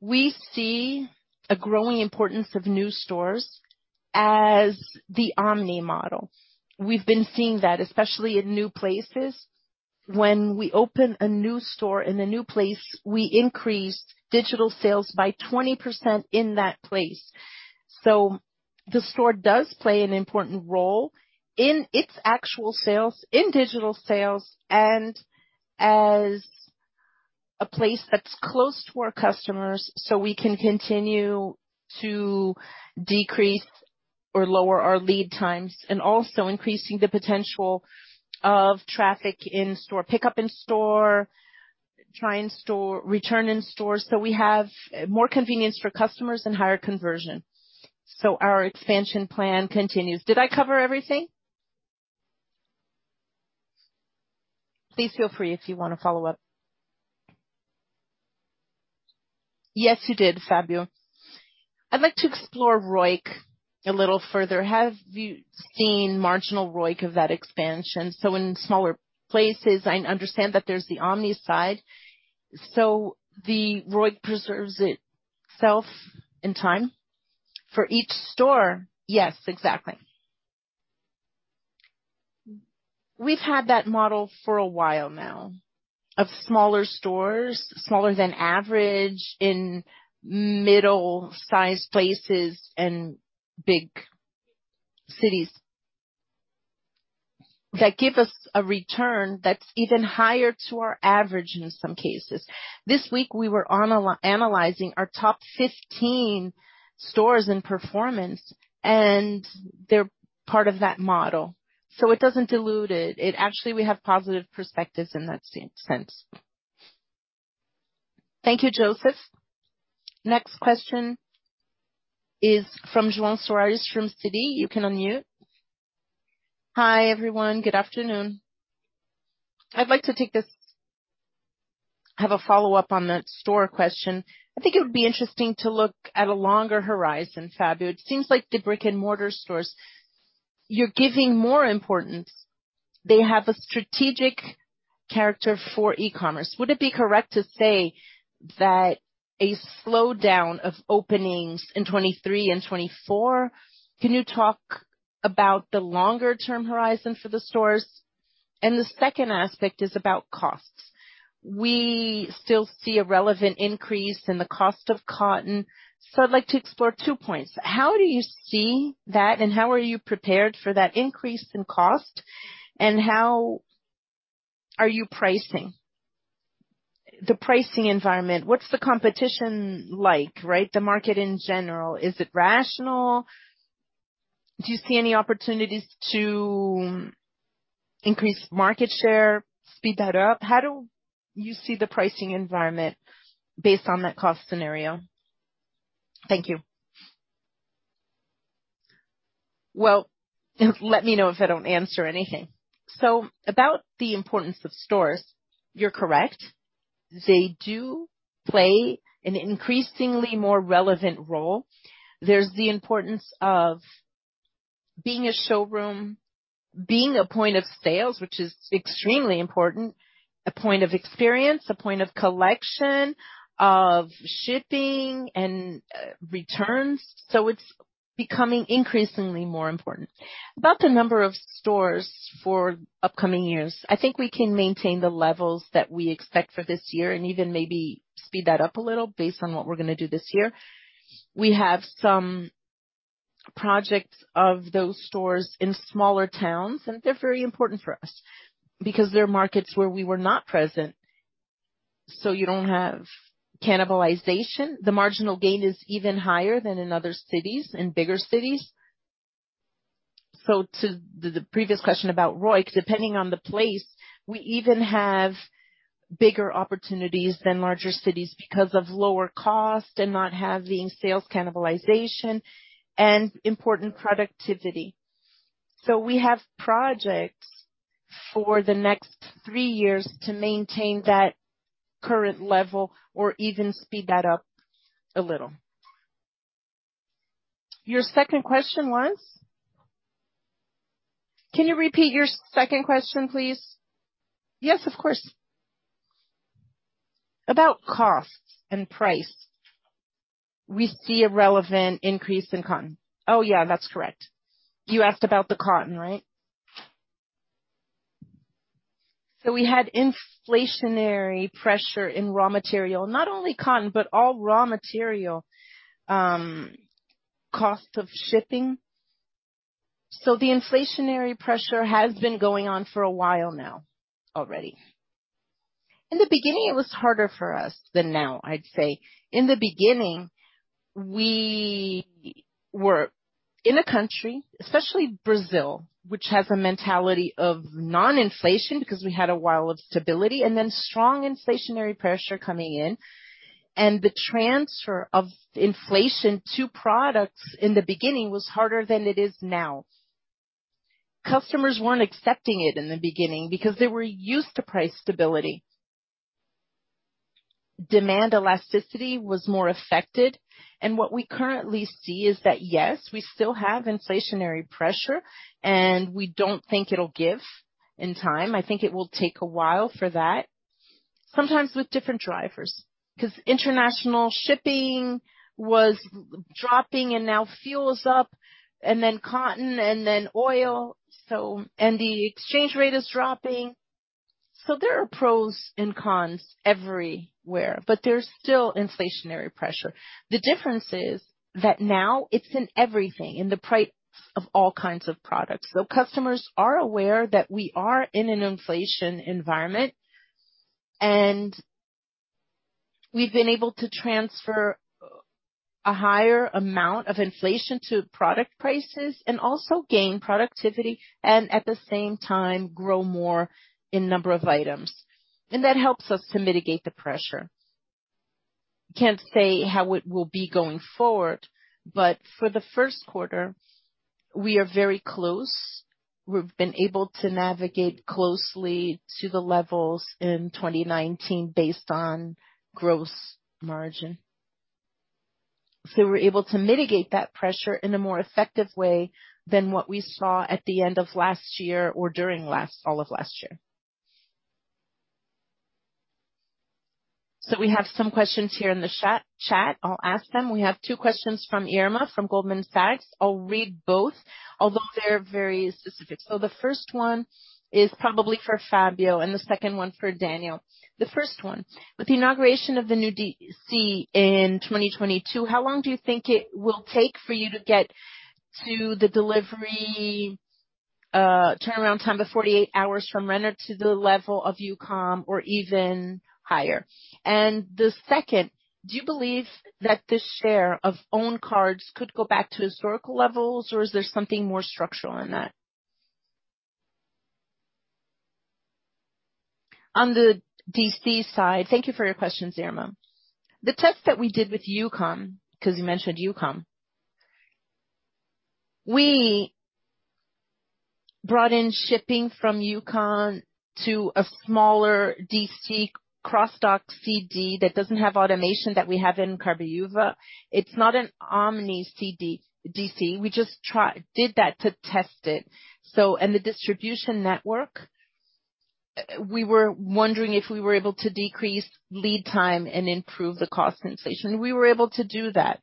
We see a growing importance of new stores as the omni model. We've been seeing that, especially in new places. When we open a new store in the new place, we increase digital sales by 20% in that place. The store does play an important role in its actual sales, in digital sales, and as a place that's close to our customers, so we can continue to decrease or lower our lead times and also increasing the potential of traffic in store, pickup in store, try in store, return in store. We have more convenience for customers and higher conversion. Our expansion plan continues. Did I cover everything? Please feel free if you wanna follow-up. Yes, you did, Fabio. I'd like to explore ROIC a little further. Have you seen marginal ROIC of that expansion? In smaller places, I understand that there's the omni side. The ROIC preserves itself in time for each store? Yes, exactly. We've had that model for a while now of smaller stores, smaller than average in middle-sized places and big cities, that give us a return that's even higher to our average in some cases. This week we were analyzing our top 15 stores and performance, and they're part of that model, so it doesn't dilute it. It actually, we have positive perspectives in that sense. Thank you, Joseph. Next question is from Joao Soares from Citi. You can unmute. Hi, everyone. Good afternoon. I'd like to have a follow-up on that store question. I think it would be interesting to look at a longer horizon, Fabio. It seems like the brick-and-mortar stores, you're giving more importance. They have a strategic character for e-commerce. Would it be correct to say that a slowdown of openings in 2023 and 2024? Can you talk about the longer term horizon for the stores? The second aspect is about costs. We still see a relevant increase in the cost of cotton. I'd like to explore two points. How do you see that, and how are you prepared for that increase in cost, and how are you pricing? The pricing environment, what's the competition like, right? The market in general, is it rational? Do you see any opportunities to increase market share, speed that up? How do you see the pricing environment based on that cost scenario? Thank you. Well, let me know if I don't answer anything. About the importance of stores. You're correct. They do play an increasingly more relevant role. There's the importance of being a showroom, being a point of sales, which is extremely important, a point of experience, a point of collection, of shipping and, returns. It's becoming increasingly more important. About the number of stores for upcoming years, I think we can maintain the levels that we expect for this year and even maybe speed that up a little based on what we're gonna do this year. We have some projects of those stores in smaller towns, and they're very important for us because they're markets where we were not present. You don't have cannibalization. The marginal gain is even higher than in other cities, in bigger cities. To the previous question about ROIC, depending on the place, we even have bigger opportunities than larger cities because of lower cost and not having sales cannibalization and important productivity. We have projects for the next three years to maintain that current level or even speed that up a little. Your second question was? Can you repeat your second question, please? Yes, of course. About costs and price. We see a relevant increase in cotton. Oh, yeah, that's correct. You asked about the cotton, right? We had inflationary pressure in raw material, not only cotton, but all raw material, cost of shipping. The inflationary pressure has been going on for a while now already. In the beginning, it was harder for us than now, I'd say. In the beginning, we were in a country, especially Brazil, which has a mentality of non-inflation because we had a while of stability and then strong inflationary pressure coming in. The transfer of inflation to products in the beginning was harder than it is now. Customers weren't accepting it in the beginning because they were used to price stability. Demand elasticity was more affected, and what we currently see is that, yes, we still have inflationary pressure, and we don't think it'll give in time. I think it will take a while for that. Sometimes with different drivers, 'cause international shipping was dropping and now fuel is up, and then cotton and then oil, and the exchange rate is dropping. There are pros and cons everywhere, but there's still inflationary pressure. The difference is that now it's in everything, in the price of all kinds of products. Customers are aware that we are in an inflation environment, and we've been able to transfer a higher amount of inflation to product prices and also gain productivity and at the same time grow more in number of items. That helps us to mitigate the pressure. Can't say how it will be going forward, but for the Q1, we are very close. We've been able to navigate closely to the levels in 2019 based on gross margin. We're able to mitigate that pressure in a more effective way than what we saw at the end of last year or all of last year. We have some questions here in the chat. I'll ask them. We have two questions from Irma, from Goldman Sachs. I'll read both, although they're very specific. The first one is probably for Fabio and the second one for Daniel. The first one: With the inauguration of the new DC in 2022, how long do you think it will take for you to get to the delivery turnaround time of 48 hours from Renner to the level of Youcom or even higher? The second, do you believe that the share of own cards could go back to historical levels, or is there something more structural in that? On the DC side. Thank you for your questions, Irma. The test that we did with Youcom, 'cause you mentioned Youcom. We brought in shipping from Youcom to a smaller DC, cross-dock DC that doesn't have automation that we have in Cabreúva. It's not an omni DC. We just did that to test it. The distribution network, we were wondering if we were able to decrease lead time and improve the cost inflation. We were able to do that.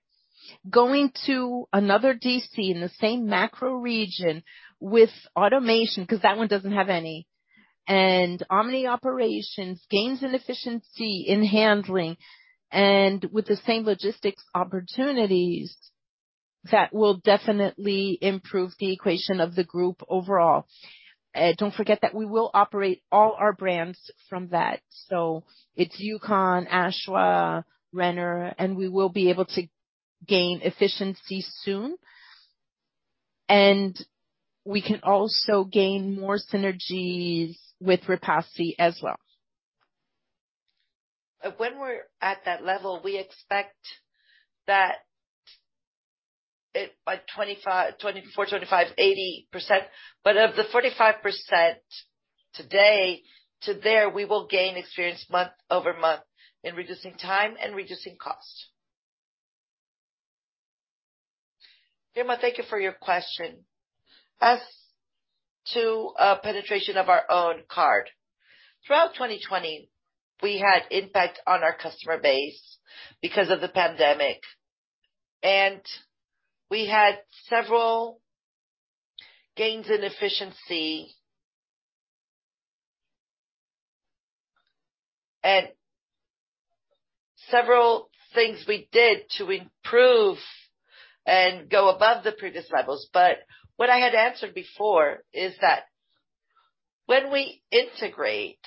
Going to another DC in the same macro region with automation, 'cause that one doesn't have any, and omni operations, gains in efficiency in handling and with the same logistics opportunities. That will definitely improve the equation of the group overall. Don't forget that we will operate all our brands from that. It's Youcom, Ashua, Renner, and we will be able to gain efficiency soon. We can also gain more synergies with Repassa as well. When we're at that level, we expect that it by 2024, 2025, 80%. Of the 45% today to there, we will gain experience month-over-month in reducing time and reducing cost. Irma, thank you for your question. As to penetration of our own card. Throughout 2020, we had impact on our customer base because of the pandemic, and we had several gains in efficiency. Several things we did to improve and go above the previous levels. What I had answered before is that when we integrate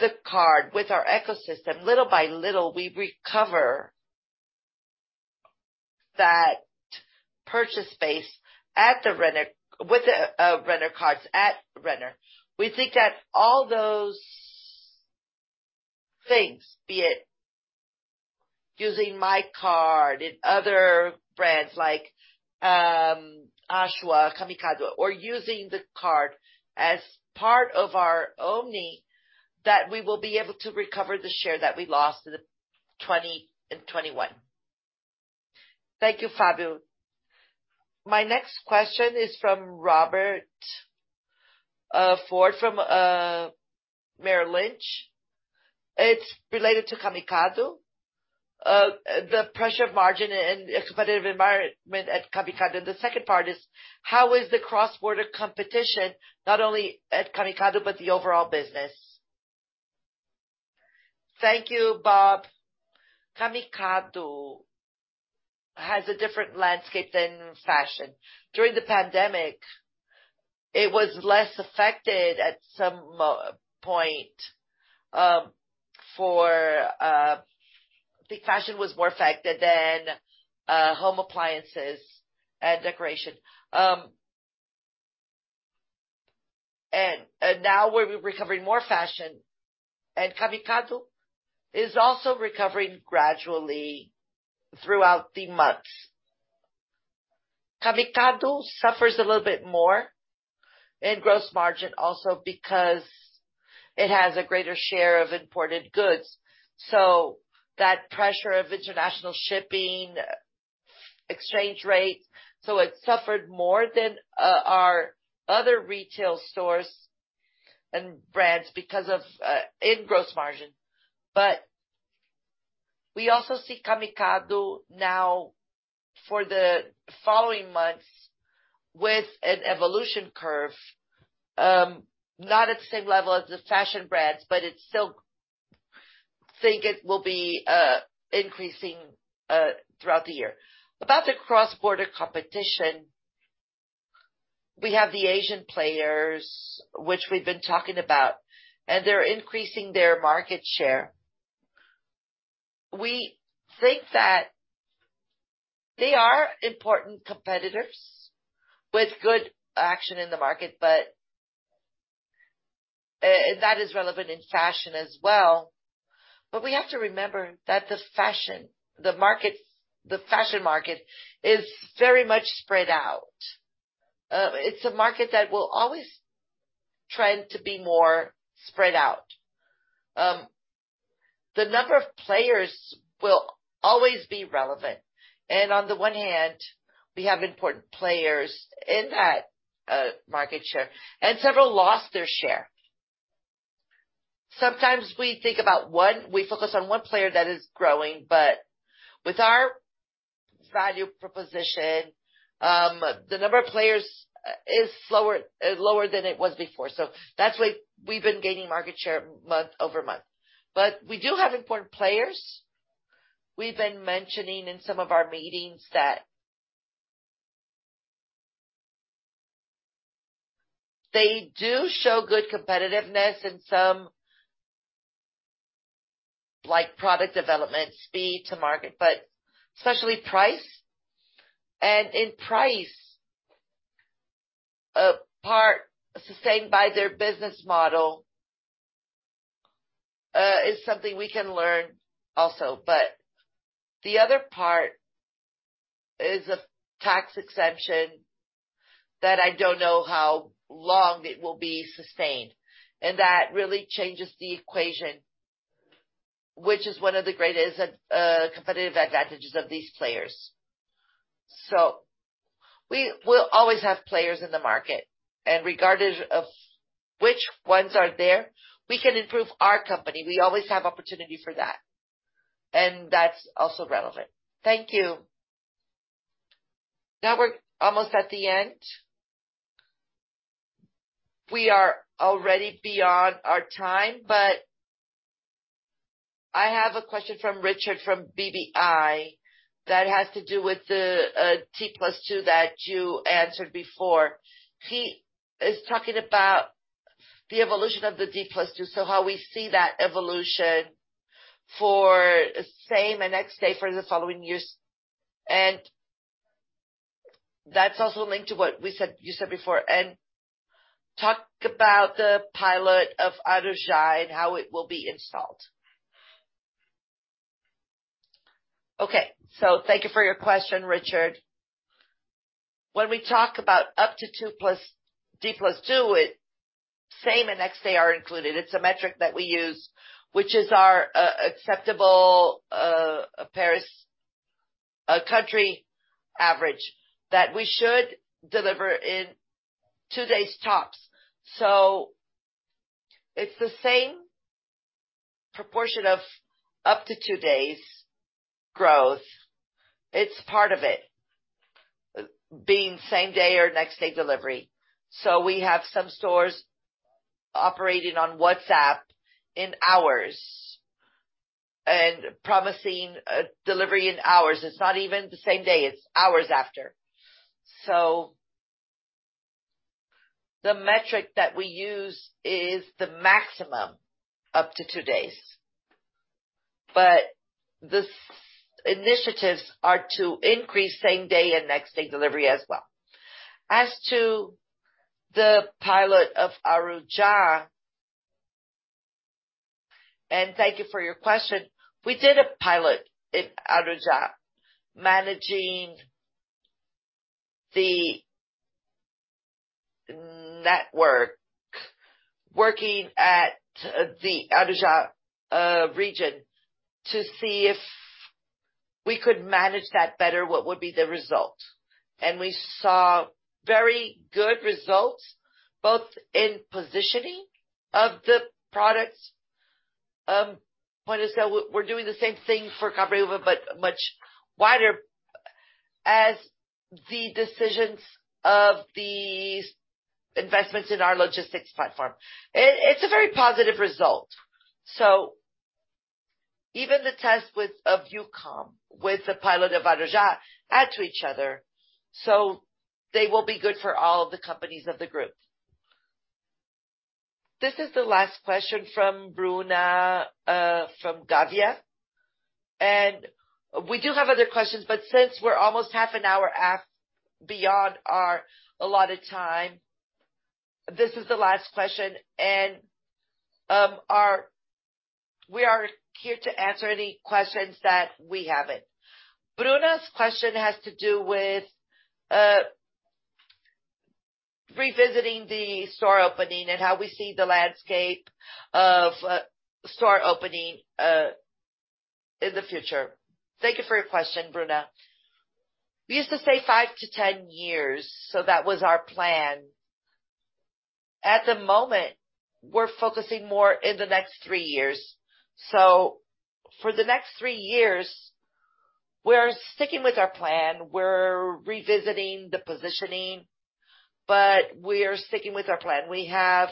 the card with our ecosystem, little by little, we recover that purchase base at the Renner with the Renner cards at Renner. We think that all those things, be it using my card in other brands like Ashua, Camicado, or using the card as part of our omni, that we will be able to recover the share that we lost in the 2020 and 2021. Thank you, Fabio. My next question is from Robert Ford from Merrill Lynch. It's related to Camicado. The margin pressure and competitive environment at Camicado. And the second part is, how is the cross-border competition, not only at Camicado, but the overall business? Thank you, Bob. Camicado has a different landscape than fashion. During the pandemic, it was less affected at some point. The fashion was more affected than home appliances and decoration. Now we're recovering more fashion, and Camicado is also recovering gradually throughout the months. Camicado suffers a little bit more in gross margin also because it has a greater share of imported goods, that pressure of international shipping, exchange rates. It suffered more than our other retail stores and brands because of in gross margin. We also see Camicado now for the following months with an evolution curve, not at the same level as the fashion brands, but I still think it will be increasing throughout the year. About the cross-border competition, we have the Asian players, which we've been talking about, and they're increasing their market share. We think that they are important competitors with good action in the market, and that is relevant in fashion as well. We have to remember that the fashion market is very much spread out. It's a market that will always trend to be more spread out. The number of players will always be relevant. On the one hand, we have important players in that market share, and several lost their share. Sometimes we think about one. We focus on one player that is growing, but with our value proposition, the number of players is lower than it was before. That's why we've been gaining market share month-over-month. We do have important players. We've been mentioning in some of our meetings that they do show good competitiveness in some, like product development, speed to market, but especially price. In price, a part sustained by their business model is something we can learn also. The other part is a tax exemption that I don't know how long it will be sustained, and that really changes the equation, which is one of the greatest competitive advantages of these players. We will always have players in the market. Regardless of which ones are there, we can improve our company. We always have opportunity for that. That's also relevant. Thank you. Now we're almost at the end. We are already beyond our time, but I have a question from Richard from BBI that has to do with the D+2 that you answered before. He is talking about the evolution of the D+2, so how we see that evolution for same and next day for the following years. That's also linked to what we said, you said before. Talk about the pilot of Arujá, and how it will be installed. Okay. Thank you for your question, Richard. When we talk about D+2, same and next day are included. It's a metric that we use, which is our acceptable país country average that we should deliver in two days, tops. It's the same proportion of up to two days growth. It's part of it being same day or next day delivery. We have some stores operating on WhatsApp in hours and promising a delivery in hours. It's not even the same day, it's hours after. The metric that we use is the maximum up to two days. This initiatives are to increase same day and next day delivery as well. As to the pilot of Arujá. Thank you for your question. We did a pilot in Arujá managing the network, working at the Arujá region to see if we could manage that better, what would be the result. We saw very good results, both in positioning of the products, point of sale. We're doing the same thing for Cabreúva, but much wider as the decisions of these investments in our logistics platform. It's a very positive result. Even the test of Youcom with the pilot of Arujá add to each other, so they will be good for all of the companies of the group. This is the last question from Bruna from Gávea. We do have other questions, but since we're almost half an hour beyond our allotted time, this is the last question. We are here to answer any questions that we haven't. Bruna's question has to do with revisiting the store opening and how we see the landscape of store opening in the future. Thank you for your question, Bruna. We used to say five to 10 years, so that was our plan. At the moment, we're focusing more in the next three years. For the next three years, we're sticking with our plan. We're revisiting the positioning, but we are sticking with our plan. We have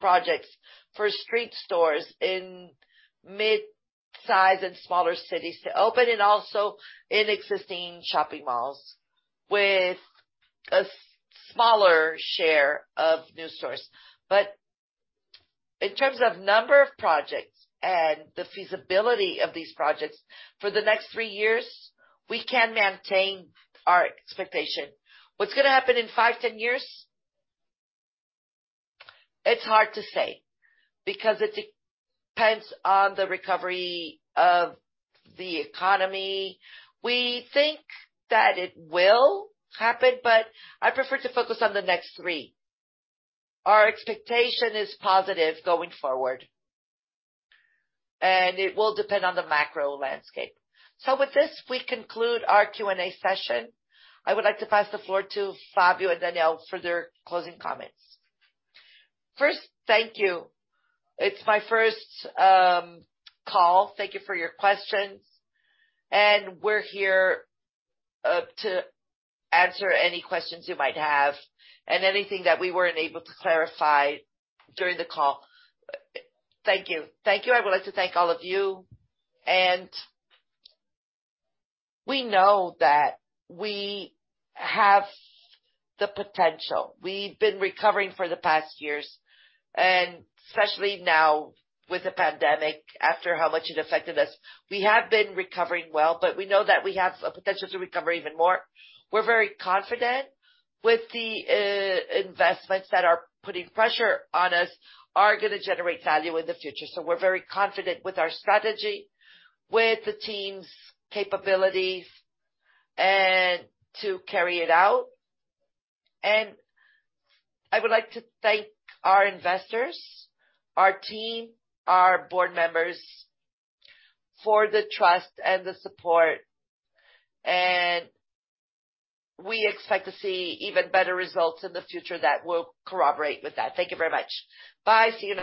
projects for street stores in mid-size and smaller cities to open and also in existing shopping malls with a smaller share of new stores. In terms of number of projects and the feasibility of these projects, for the next three years, we can maintain our expectation. What's gonna happen in five, 10 years? It's hard to say because it depends on the recovery of the economy. We think that it will happen, but I prefer to focus on the next three years. Our expectation is positive going forward, and it will depend on the macro landscape. With this, we conclude our Q&A session. I would like to pass the floor to Fabio Faccio and Daniel Santos for their closing comments. First, thank you. It's my first call. Thank you for your questions. We're here to answer any questions you might have and anything that we weren't able to clarify during the call. Thank you. Thank you. I would like to thank all of you. We know that we have the potential. We've been recovering for the past years, and especially now with the pandemic, after how much it affected us, we have been recovering well. We know that we have a potential to recover even more. We're very confident with the investments that are putting pressure on us are gonna generate value in the future. We're very confident with our strategy, with the team's capabilities and to carry it out. I would like to thank our investors, our team, our board members for the trust and the support. We expect to see even better results in the future that will corroborate with that. Thank you very much. Bye. See you.